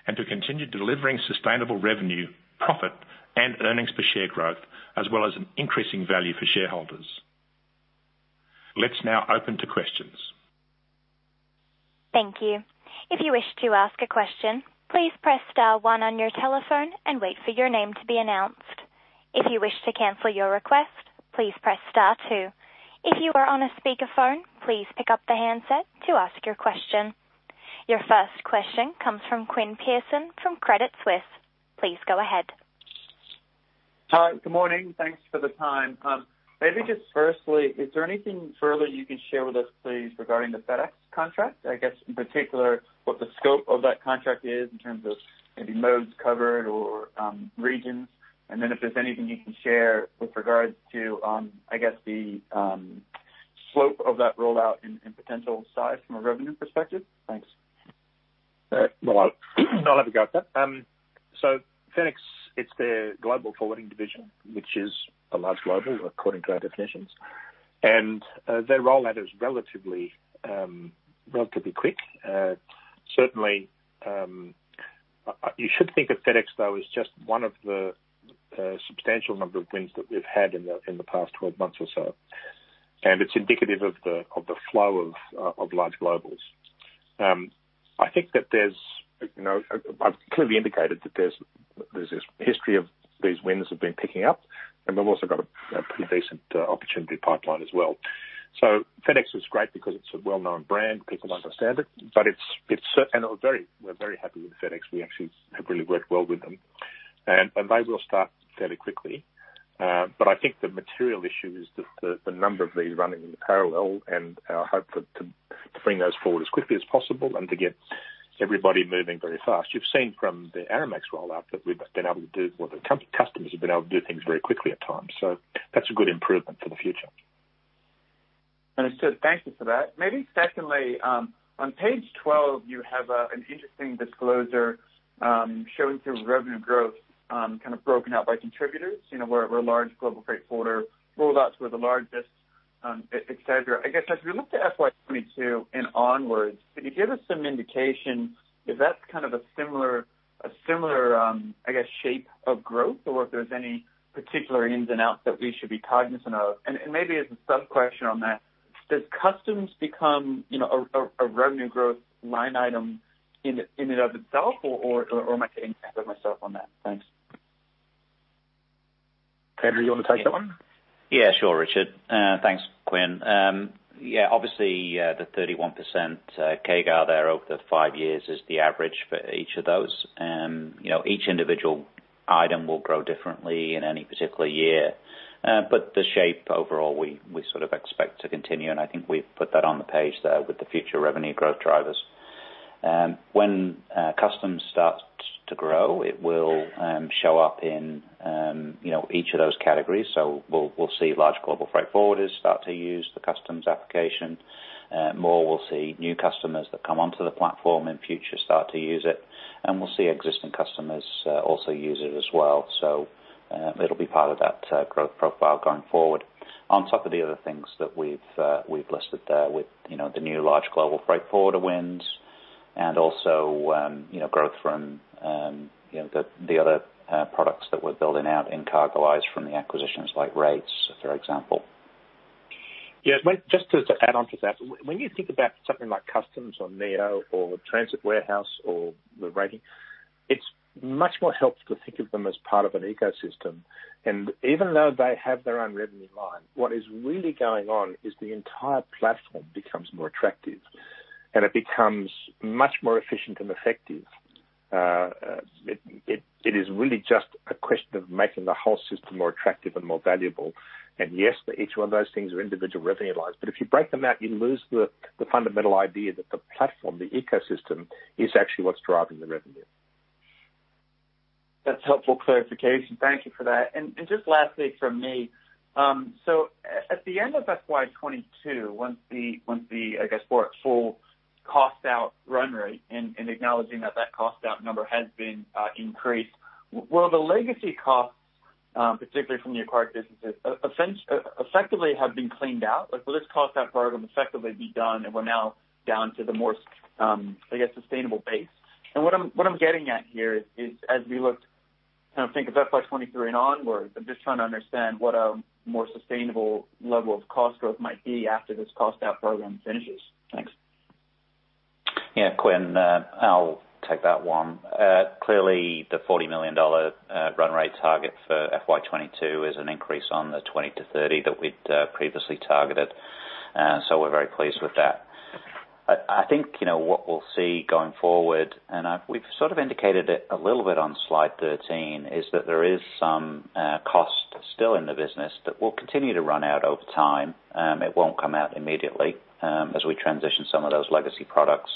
and to continue delivering sustainable revenue, profit and earnings per share growth, as well as an increasing value for shareholders. Let's now open to questions. Thank you. If you wish to ask a question, please press star one on your telephone and wait for your name to be announced. If you wish to cancel your request, please press star two. If you are on a speakerphone, please pick up the handset to ask your question. Your first question comes from Quinn Pierson from Credit Suisse. Please go ahead. Hi. Good morning. Thanks for the time. Maybe just firstly, is there anything further you can share with us, please, regarding the FedEx contract? I guess in particular, what the scope of that contract is in terms of maybe modes covered or regions. If there's anything you can share with regards to, I guess the slope of that rollout and potential size from a revenue perspective. Thanks. I'll have a go at that. FedEx, it's their global forwarding division, which is a large global according to our definitions. Their rollout is relatively quick. Certainly, you should think of FedEx, though, as just one of the substantial number of wins that we've had in the past 12 months or so. It's indicative of the flow of large globals. I've clearly indicated that there's this history of these wins have been picking up and we've also got a pretty decent opportunity pipeline as well. FedEx was great because it's a well-known brand. People understand it. We're very happy with FedEx. We actually have really worked well with them. They will start fairly quickly. I think the material issue is the number of these running in parallel and our hope to bring those forward as quickly as possible and to get everybody moving very fast. You've seen from the Aramex rollout that the customers have been able to do things very quickly at times. That's a good improvement for the future. Understood. Thank you for that. Maybe secondly, on page 12, you have an interesting disclosure showing some revenue growth, kind of broken out by contributors. Where large global freight forwarder rollouts were the largest, et cetera. I guess as we look to FY 2022 and onwards, can you give us some indication if that's kind of a similar, I guess, shape of growth? Or if there's any particular ins and outs that we should be cognizant of? Maybe as a sub-question on that, does customs become a revenue growth line item in and of itself? Or am I getting ahead of myself on that? Thanks. Andrew, you want to take that one? Yeah, sure, Richard. Thanks, Quinn. Yeah, obviously, the 31% CAGR there over the five years is the average for each of those. Each individual item will grow differently in any particular year. The shape overall, we sort of expect to continue, and I think we've put that on the page there with the future revenue growth drivers. When customs starts to grow, it will show up in each of those categories. We'll see large global freight forwarders start to use the customs application more. We'll see new customers that come onto the platform in future start to use it, and we'll see existing customers also use it as well. It'll be part of that growth profile going forward. On top of the other things that we've listed there with the new large global freight forwarder wins and also growth from the other products that we're building out in CargoWise from the acquisitions like rates, for example. Yeah. Just to add on to that, when you think about something like customs or Neo or Transit Warehouse or the rating, it much more helps to think of them as part of an ecosystem. Even though they have their own revenue line, what is really going on is the entire platform becomes more attractive and it becomes much more efficient and effective. It is really just a question of making the whole system more attractive and more valuable. Yes, each one of those things are individual revenue lines. If you break them out, you lose the fundamental idea that the platform, the ecosystem, is actually what's driving the revenue. That's helpful clarification. Thank you for that. Just lastly from me, at the end of FY 2022, once the, I guess, full cost out run rate and acknowledging that that cost out number has been increased, will the legacy cost, particularly from the acquired businesses, effectively have been cleaned out? Will this cost out program effectively be done and we're now down to the more, I guess, sustainable base? What I'm getting at here is as we look kind of think of FY 2023 and onwards, I'm just trying to understand what a more sustainable level of cost growth might be after this cost out program finishes. Thanks. Yeah, Quinn, I'll take that one. The $40 million run rate target for FY 2022 is an increase on the $20 million-$30 million that we'd previously targeted. We're very pleased with that. I think what we'll see going forward, and we've sort of indicated it a little bit on slide 13, is that there is some cost still in the business that will continue to run out over time. It won't come out immediately, as we transition some of those legacy products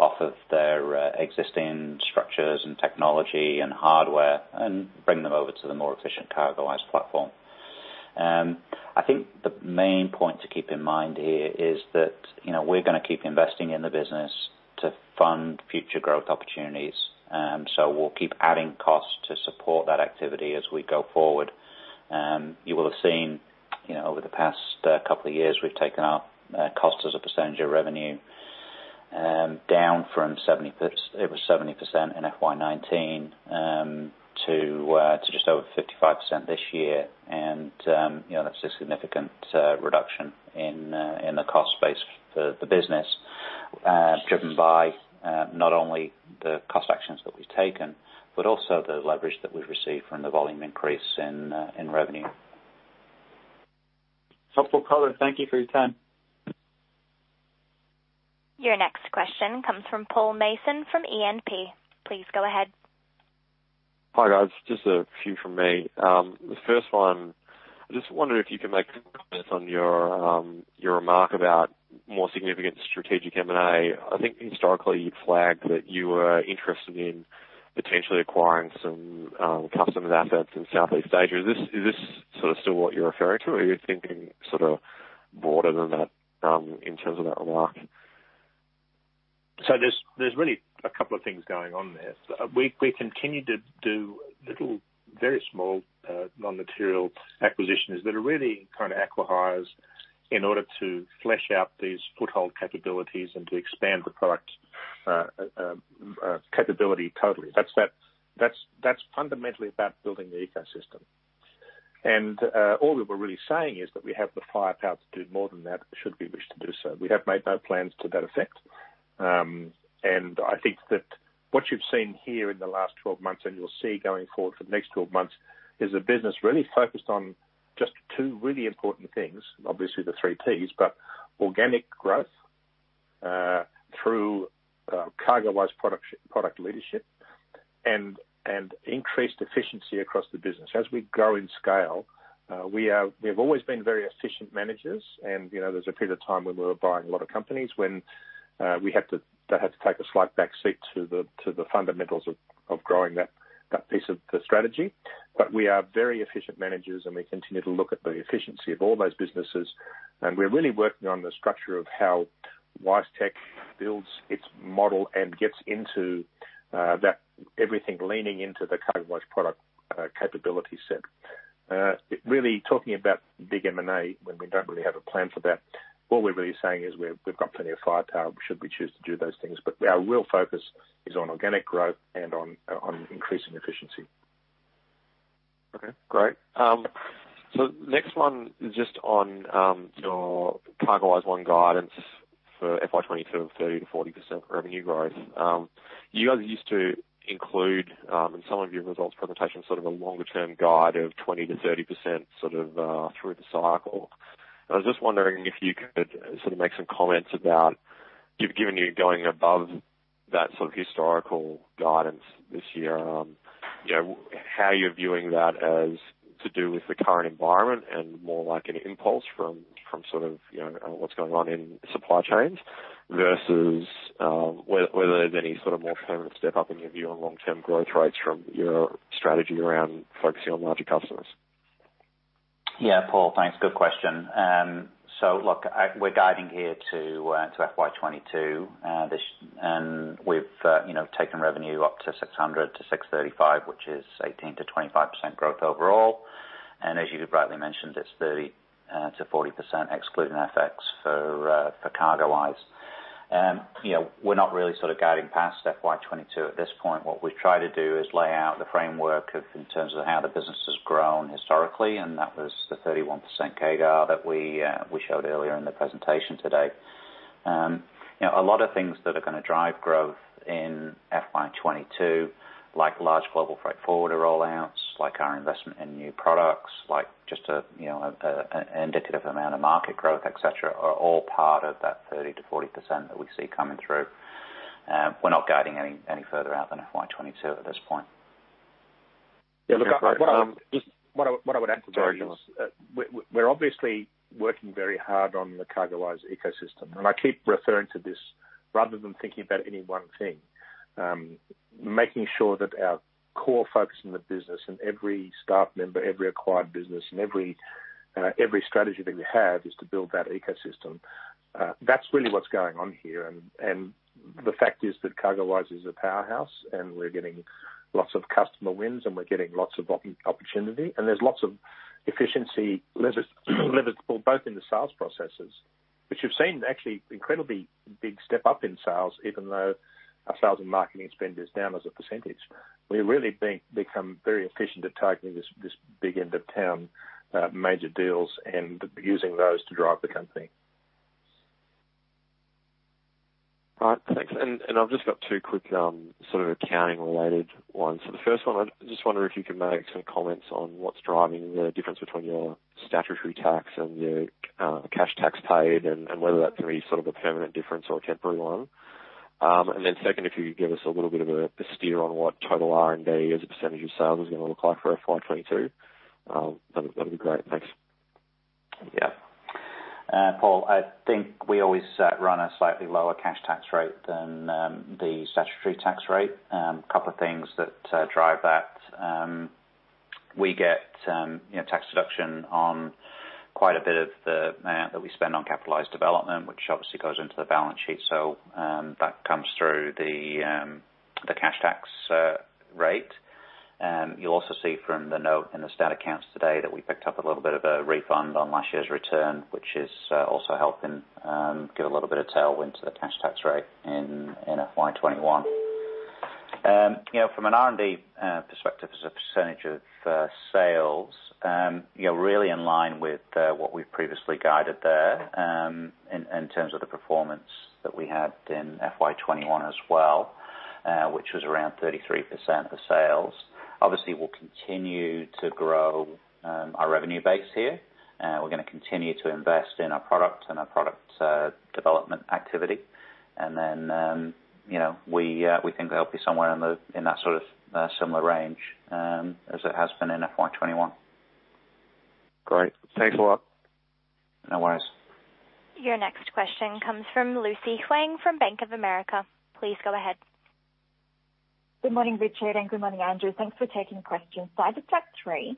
off of their existing structures and technology and hardware and bring them over to the more efficient CargoWise platform. I think the main point to keep in mind here is that we're going to keep investing in the business to fund future growth opportunities. We'll keep adding cost to support that activity as we go forward. You will have seen, over the past couple of years, we've taken our cost as a percentage of revenue down from 70%. It was 70% in FY 2019, to just over 55% this year. That's a significant reduction in the cost base for the business, driven by not only the cost actions that we've taken, but also the leverage that we've received from the volume increase in revenue. Helpful color. Thank you for your time. Your next question comes from Paul Mason from E&P. Please go ahead. Hi, guys. Just a few from me. The first one, I just wonder if you can make some comments on your remark about more significant strategic M&A. I think historically you flagged that you were interested in potentially acquiring some customs assets in Southeast Asia. Is this sort of still what you're referring to? Are you thinking sort of broader than that, in terms of that remark? There's really a couple of things going on there. We continue to do little, very small, non-material acquisitions that are really kind of acqui-hires in order to flesh out these foothold capabilities and to expand the product capability totally. That's fundamentally about building the ecosystem. All that we're really saying is that we have the firepower to do more than that should we wish to do so. We have made no plans to that effect. I think that what you've seen here in the last 12 months and you'll see going forward for the next 12 months, is a business really focused on just two really important things. Obviously, the three Ps, but organic growth through CargoWise product leadership and increased efficiency across the business. As we grow in scale, we have always been very efficient managers and there was a period of time when we were buying a lot of companies when that had to take a slight back seat to the fundamentals of growing that piece of the strategy. We are very efficient managers, and we continue to look at the efficiency of all those businesses, and we're really working on the structure of how WiseTech builds its model and gets into that everything leaning into the CargoWise product capability set. Really talking about big M&A when we don't really have a plan for that, what we're really saying is we've got plenty of firepower should we choose to do those things. Our real focus is on organic growth and on increasing efficiency. Okay, great. Next one is just on your CargoWise One guidance. For FY 2022, 30%-40% revenue growth. You guys used to include, in some of your results presentation, sort of a longer-term guide of 20%-30% sort of through the cycle. I was just wondering if you could sort of make some comments about, given you're going above that sort of historical guidance this year, how you're viewing that as to do with the current environment and more like an impulse from sort of what's going on in supply chains versus whether there's any sort of more permanent step up in your view on long-term growth rates from your strategy around focusing on larger customers. Yeah, Paul, thanks. Good question. Look, we are guiding here to FY 2022. We have taken revenue up to $600 million-$635 million, which is 18%-25% growth overall. As you rightly mentioned, it is 30%-40%, excluding FX for CargoWise. We are not really sort of guiding past FY 2022 at this point. What we try to do is lay out the framework in terms of how the business has grown historically, and that was the 31% CAGR that we showed earlier in the presentation today. A lot of things that are going to drive growth in FY 2022, like large global freight forwarder roll-outs, like our investment in new products, like just an indicative amount of market growth, et cetera, are all part of that 30%-40% that we see coming through. We are not guiding any further out than FY 2022 at this point. Yeah, look, what I would add to that is, we're obviously working very hard on the CargoWise ecosystem. I keep referring to this rather than thinking about any one thing. Making sure that our core focus in the business and every staff member, every acquired business, and every strategy that we have is to build that ecosystem. That's really what's going on here. The fact is that CargoWise is a powerhouse, and we're getting lots of customer wins, and we're getting lots of opportunity. There's lots of efficiency leverageable both in the sales processes, which you've seen actually incredibly big step up in sales, even though our sales and marketing spend is down as a percentage. We really become very efficient at targeting this big end of town major deals and using those to drive the company. All right, thanks. I've just got two quick sort of accounting-related ones. The first one, I just wonder if you can make some comments on what's driving the difference between your statutory tax and your cash tax paid, and whether that's going to be sort of a permanent difference or a temporary one. Then second, if you could give us a little bit of a steer on what total R&D as a percentage of sales is going to look like for FY 2022. That'd be great. Thanks. Yeah. Paul, I think we always run a slightly lower cash tax rate than the statutory tax rate. Couple of things that drive that. We get tax deduction on quite a bit of the amount that we spend on capitalized development, which obviously goes into the balance sheet. That comes through the cash tax rate. You'll also see from the note in the stat accounts today that we picked up a little bit of a refund on last year's return, which is also helping give a little bit of tailwind to the cash tax rate in FY 2021. From an R&D perspective as a percentage of sales, really in line with what we've previously guided there in terms of the performance that we had in FY 2021 as well, which was around 33% of sales. Obviously, we'll continue to grow our revenue base here. We're going to continue to invest in our product and our product development activity. We think that'll be somewhere in that sort of similar range as it has been in FY 2021. Great. Thanks a lot. No worries. Your next question comes from Lucy Huang from Bank of America. Please go ahead. Good morning, Richard, and good morning, Andrew. Thanks for taking the question. I have three.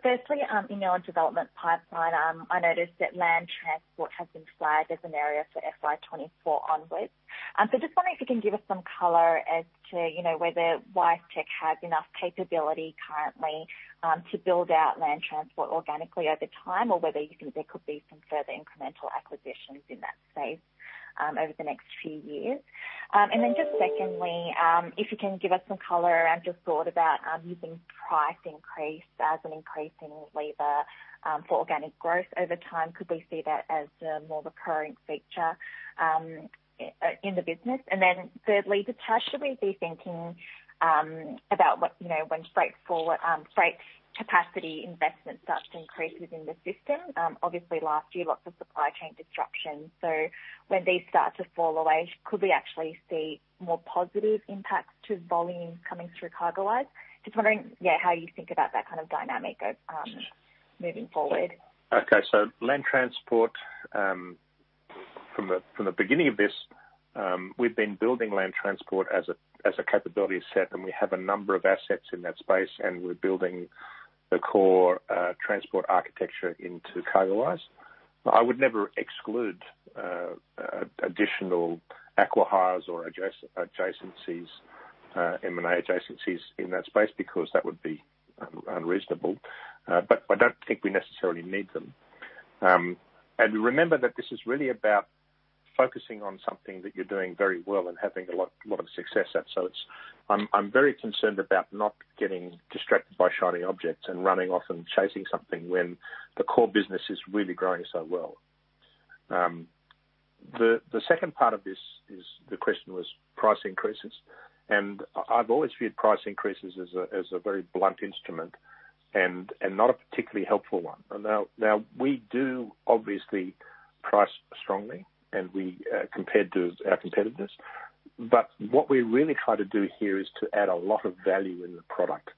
Firstly, in your development pipeline, I noticed that land transport has been flagged as an area for FY 2024 onwards. Just wondering if you can give us some color as to whether WiseTech has enough capability currently to build out land transport organically over time or whether there could be some further incremental acquisitions in that space over the next few years. Secondly, if you can give us some color and your thought about using price increase as an increasing lever for organic growth over time. Could we see that as a more recurring feature in the business? Thirdly, just how should we be thinking about when freight capacity investment starts to increase within the system? Obviously last year, lots of supply chain disruptions. When these start to fall away, could we actually see more positive impacts to volume coming through CargoWise? Just wondering, yeah, how you think about that kind of dynamic moving forward? Land transport, from the beginning of this, we've been building land transport as a capability set, and we have a number of assets in that space, and we're building the core transport architecture into CargoWise. I would never exclude additional acqui-hires or adjacencies, M&A adjacencies in that space because that would be unreasonable. I don't think we necessarily need them. Remember that this is really about focusing on something that you're doing very well and having a lot of success at. I'm very concerned about not getting distracted by shiny objects and running off and chasing something when the core business is really growing so well. The second part of the question was price increases. I've always viewed price increases as a very blunt instrument and not a particularly helpful one. Now, we do obviously price strongly compared to our competitors. What we really try to do here is to add a lot of value in the product.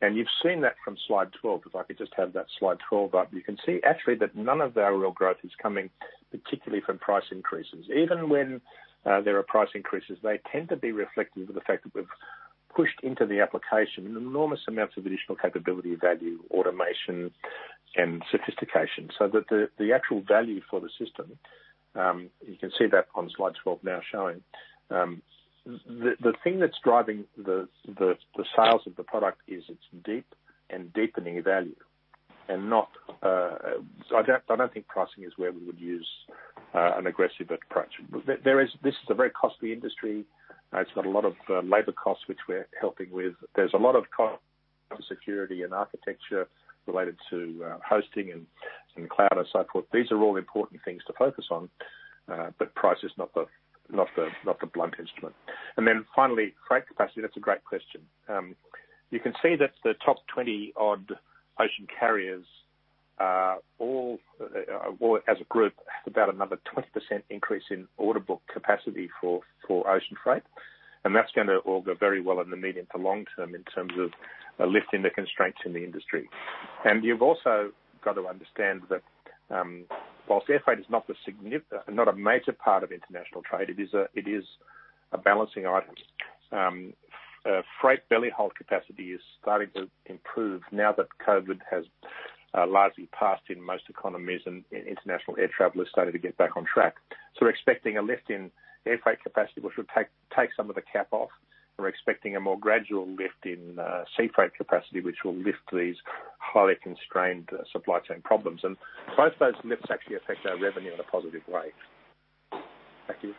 You've seen that from slide 12. If I could just have that slide 12 up. You can see actually that none of our real growth is coming particularly from price increases. Even when there are price increases, they tend to be reflective of the fact that we've pushed into the application enormous amounts of additional capability, value, automation, and sophistication. The actual value for the system, you can see that on slide 12 now showing. The thing that's driving the sales of the product is its deep and deepening value. I don't think pricing is where we would use an aggressive approach. This is a very costly industry. It's got a lot of labor costs, which we're helping with. There's a lot of cost security and architecture related to hosting and cloud and so forth. These are all important things to focus on. Price is not the blunt instrument. Finally, freight capacity. That's a great question. You can see that the top 20-odd ocean carriers as a group, have about another 20% increase in order book capacity for ocean freight. That's going to all go very well in the medium to long term in terms of lifting the constraints in the industry. You've also got to understand that whilst air freight is not a major part of international trade, it is a balancing item. Freight belly hold capacity is starting to improve now that COVID has largely passed in most economies, and international air travel has started to get back on track. We're expecting a lift in air freight capacity, which will take some of the cap off. We're expecting a more gradual lift in sea freight capacity, which will lift these highly constrained supply chain problems. Both those lifts actually affect our revenue in a positive way. Thank you.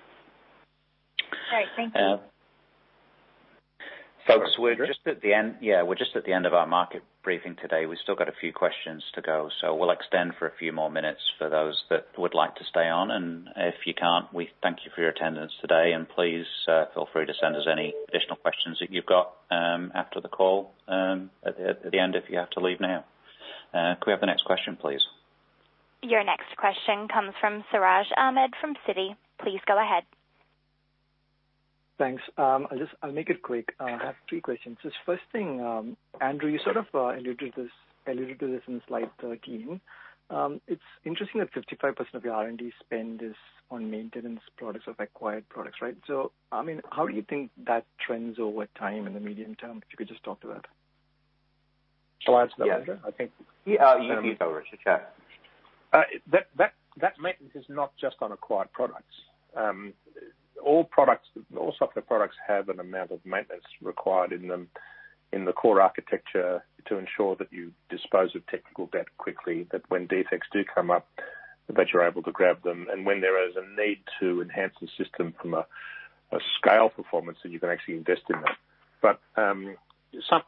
Great. Thank you. Folks, we're just at the end of our market briefing today. We've still got a few questions to go. We'll extend for a few more minutes for those that would like to stay on. If you can't, we thank you for your attendance today, and please feel free to send us any additional questions that you've got after the call at the end if you have to leave now. Could we have the next question, please? Your next question comes from Siraj Ahmed from Citi. Please go ahead. Thanks. I'll make it quick. I have three questions. First thing, Andrew, you sort of alluded to this in slide 13. It's interesting that 55% of your R&D spend is on maintenance products of acquired products, right? How do you think that trends over time in the medium term? If you could just talk to that. Shall I answer that, Andrew? Yeah, you go, Richard. Sure. That maintenance is not just on acquired products. All software products have an amount of maintenance required in them in the core architecture to ensure that you dispose of technical debt quickly, that when defects do come up, that you're able to grab them. When there is a need to enhance the system from a scale performance, then you can actually invest in that.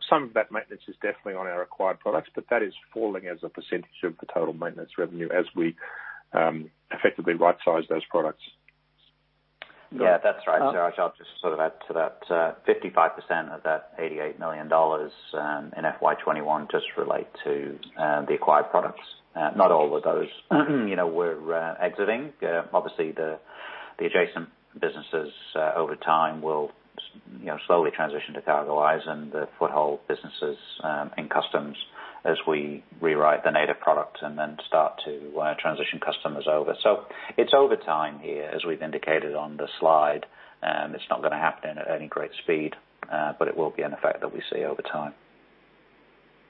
Some of that maintenance is definitely on our acquired products, but that is falling as a percent of the total maintenance revenue as we effectively right-size those products. Yeah, that's right, Siraj. I'll just sort of add to that. 55% of that $88 million in FY 2021 just relate to the acquired products. Not all of those we're exiting. Obviously, the adjacent businesses over time will slowly transition to CargoWise and the foothold businesses and customs as we rewrite the native product and then start to transition customers over. It's over time here, as we've indicated on the slide. It's not going to happen at any great speed, but it will be an effect that we see over time.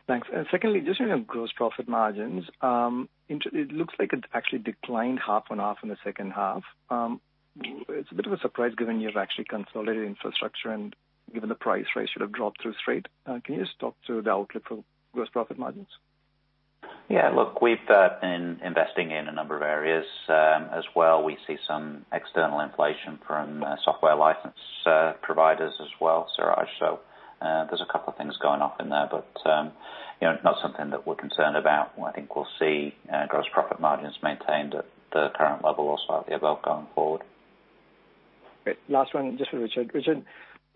Thanks. Secondly, just on your gross profit margins. It looks like it actually declined half on half in the second half. It's a bit of a surprise given you've actually consolidated infrastructure and given the price ratio have dropped through straight. Can you just talk to the outlook for gross profit margins? Yeah. Look, we've been investing in a number of areas as well. We see some external inflation from software license providers as well, Siraj. There's a couple of things going off in there, but not something that we're concerned about. I think we'll see gross profit margins maintained at the current level or slightly above going forward. Great. Last one, just for Richard. Richard,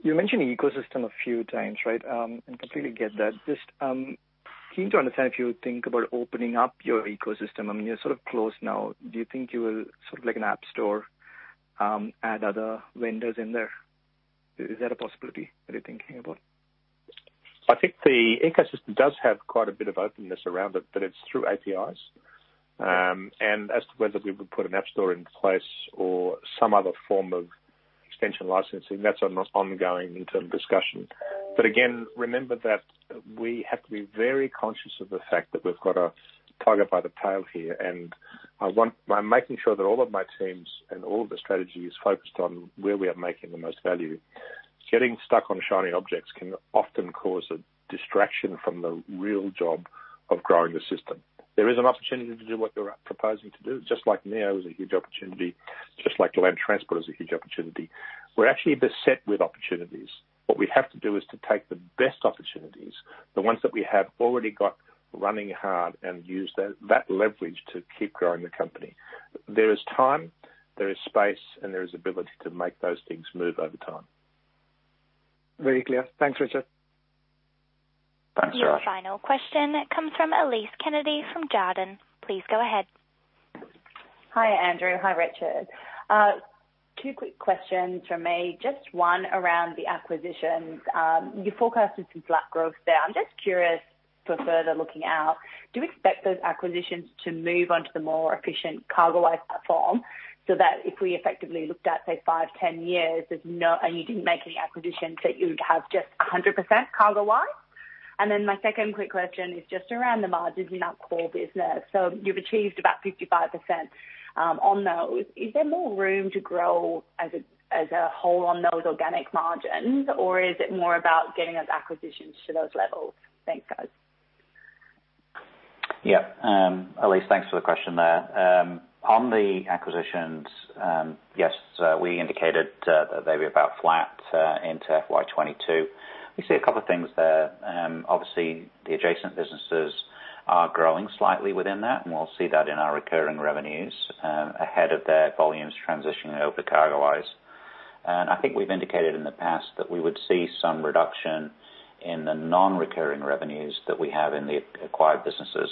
you mentioned ecosystem a few times, right? Completely get that. Just keen to understand if you think about opening up your ecosystem. You're sort of closed now. Do you think you will sort of like an app store, add other vendors in there? Is that a possibility that you're thinking about? I think the ecosystem does have quite a bit of openness around it, but it's through APIs. As to whether we would put an app store in place or some other form of extension licensing, that's an ongoing internal discussion. Again, remember that we have to be very conscious of the fact that we've got a tiger by the tail here, and I'm making sure that all of my teams and all of the strategy is focused on where we are making the most value. Getting stuck on shiny objects can often cause a distraction from the real job of growing the system. There is an opportunity to do what you're proposing to do. Just like Neo is a huge opportunity. Just like land transport is a huge opportunity. We're actually beset with opportunities. What we have to do is to take the best opportunities, the ones that we have already got running hard, and use that leverage to keep growing the company. There is time, there is space, and there is ability to make those things move over time. Very clear. Thanks, Richard. Thanks, Ryan. Your final question comes from Elise Kennedy from Jarden. Please go ahead. Hi, Andrew. Hi, Richard. Two quick questions from me. Just one around the acquisitions. You forecasted some flat growth there. I'm just curious for further looking out, do you expect those acquisitions to move onto the more efficient CargoWise platform, so that if we effectively looked at, say, five, 10 years, and you didn't make any acquisitions, that you would have just 100% CargoWise? My second quick question is just around the margins in that core business. You've achieved about 55% on those. Is there more room to grow as a whole on those organic margins? Or is it more about getting those acquisitions to those levels? Thanks, guys. Yeah. Elise, thanks for the question there. On the acquisitions, yes, we indicated that they'd be about flat into FY 2022. We see a couple of things there. Obviously, the adjacent businesses are growing slightly within that, and we'll see that in our recurring revenues ahead of their volumes transitioning over to CargoWise. I think we've indicated in the past that we would see some reduction in the non-recurring revenues that we have in the acquired businesses,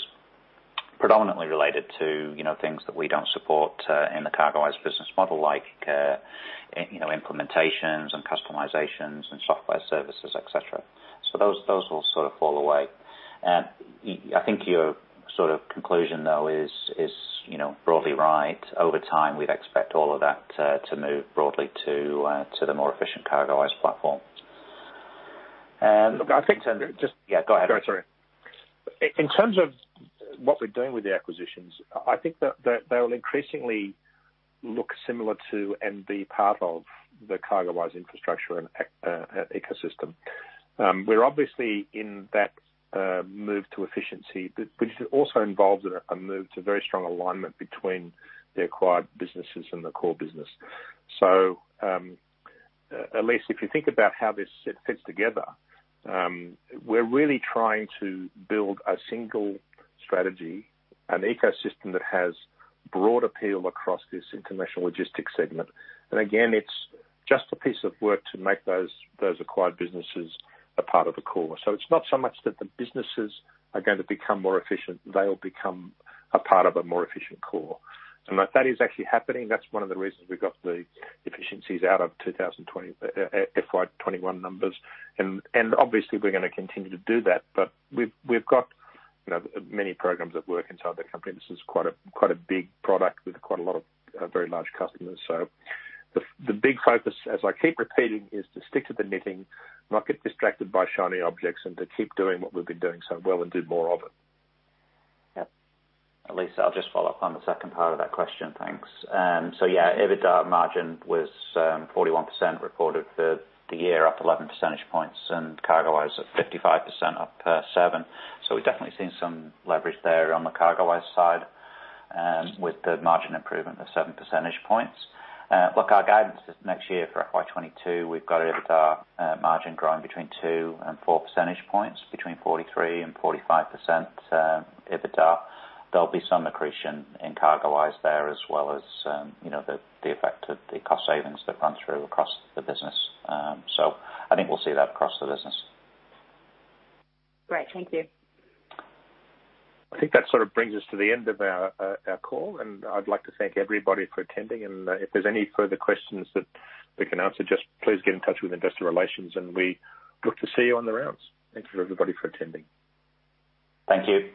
predominantly related to things that we don't support in the CargoWise business model, like implementations and customizations and software services, et cetera. Those will sort of fall away. I think your conclusion, though, is broadly right. Over time, we'd expect all of that to move broadly to the more efficient CargoWise platform. Look, I think- Yeah, go ahead. Sorry. In terms of what we're doing with the acquisitions, I think that they'll increasingly look similar to and be part of the CargoWise infrastructure and ecosystem. We're obviously in that move to efficiency, but which also involves a move to very strong alignment between the acquired businesses and the core business. Elise, if you think about how this fits together, we're really trying to build a single strategy, an ecosystem that has broad appeal across this international logistics segment. Again, it's just a piece of work to make those acquired businesses a part of the core. It's not so much that the businesses are going to become more efficient. They'll become a part of a more efficient core. That is actually happening. That's one of the reasons we got the efficiencies out of FY 2021 numbers. Obviously, we're going to continue to do that. We've got many programs at work inside the company. This is quite a big product with quite a lot of very large customers. The big focus, as I keep repeating, is to stick to the knitting, not get distracted by shiny objects, and to keep doing what we've been doing so well and do more of it. Yep. Elise, I'll just follow up on the second part of that question. Thanks. Yeah, EBITDA margin was 41% reported for the year, up 11 percentage points, and CargoWise at 55% up 7 percentage points. We've definitely seen some leverage there on the CargoWise side with the margin improvement of 7 percentage points. Look, our guidance next year for FY 2022, we've got our EBITDA margin growing between 2 and 4 percentage points, between 43% and 45% EBITDA. There'll be some accretion in CargoWise there, as well as the effect of the cost savings that run through across the business. I think we'll see that across the business. Great. Thank you. I think that sort of brings us to the end of our call, and I'd like to thank everybody for attending. If there's any further questions that we can answer, just please get in touch with investor relations and we look to see you on the rounds. Thank you, everybody, for attending. Thank you.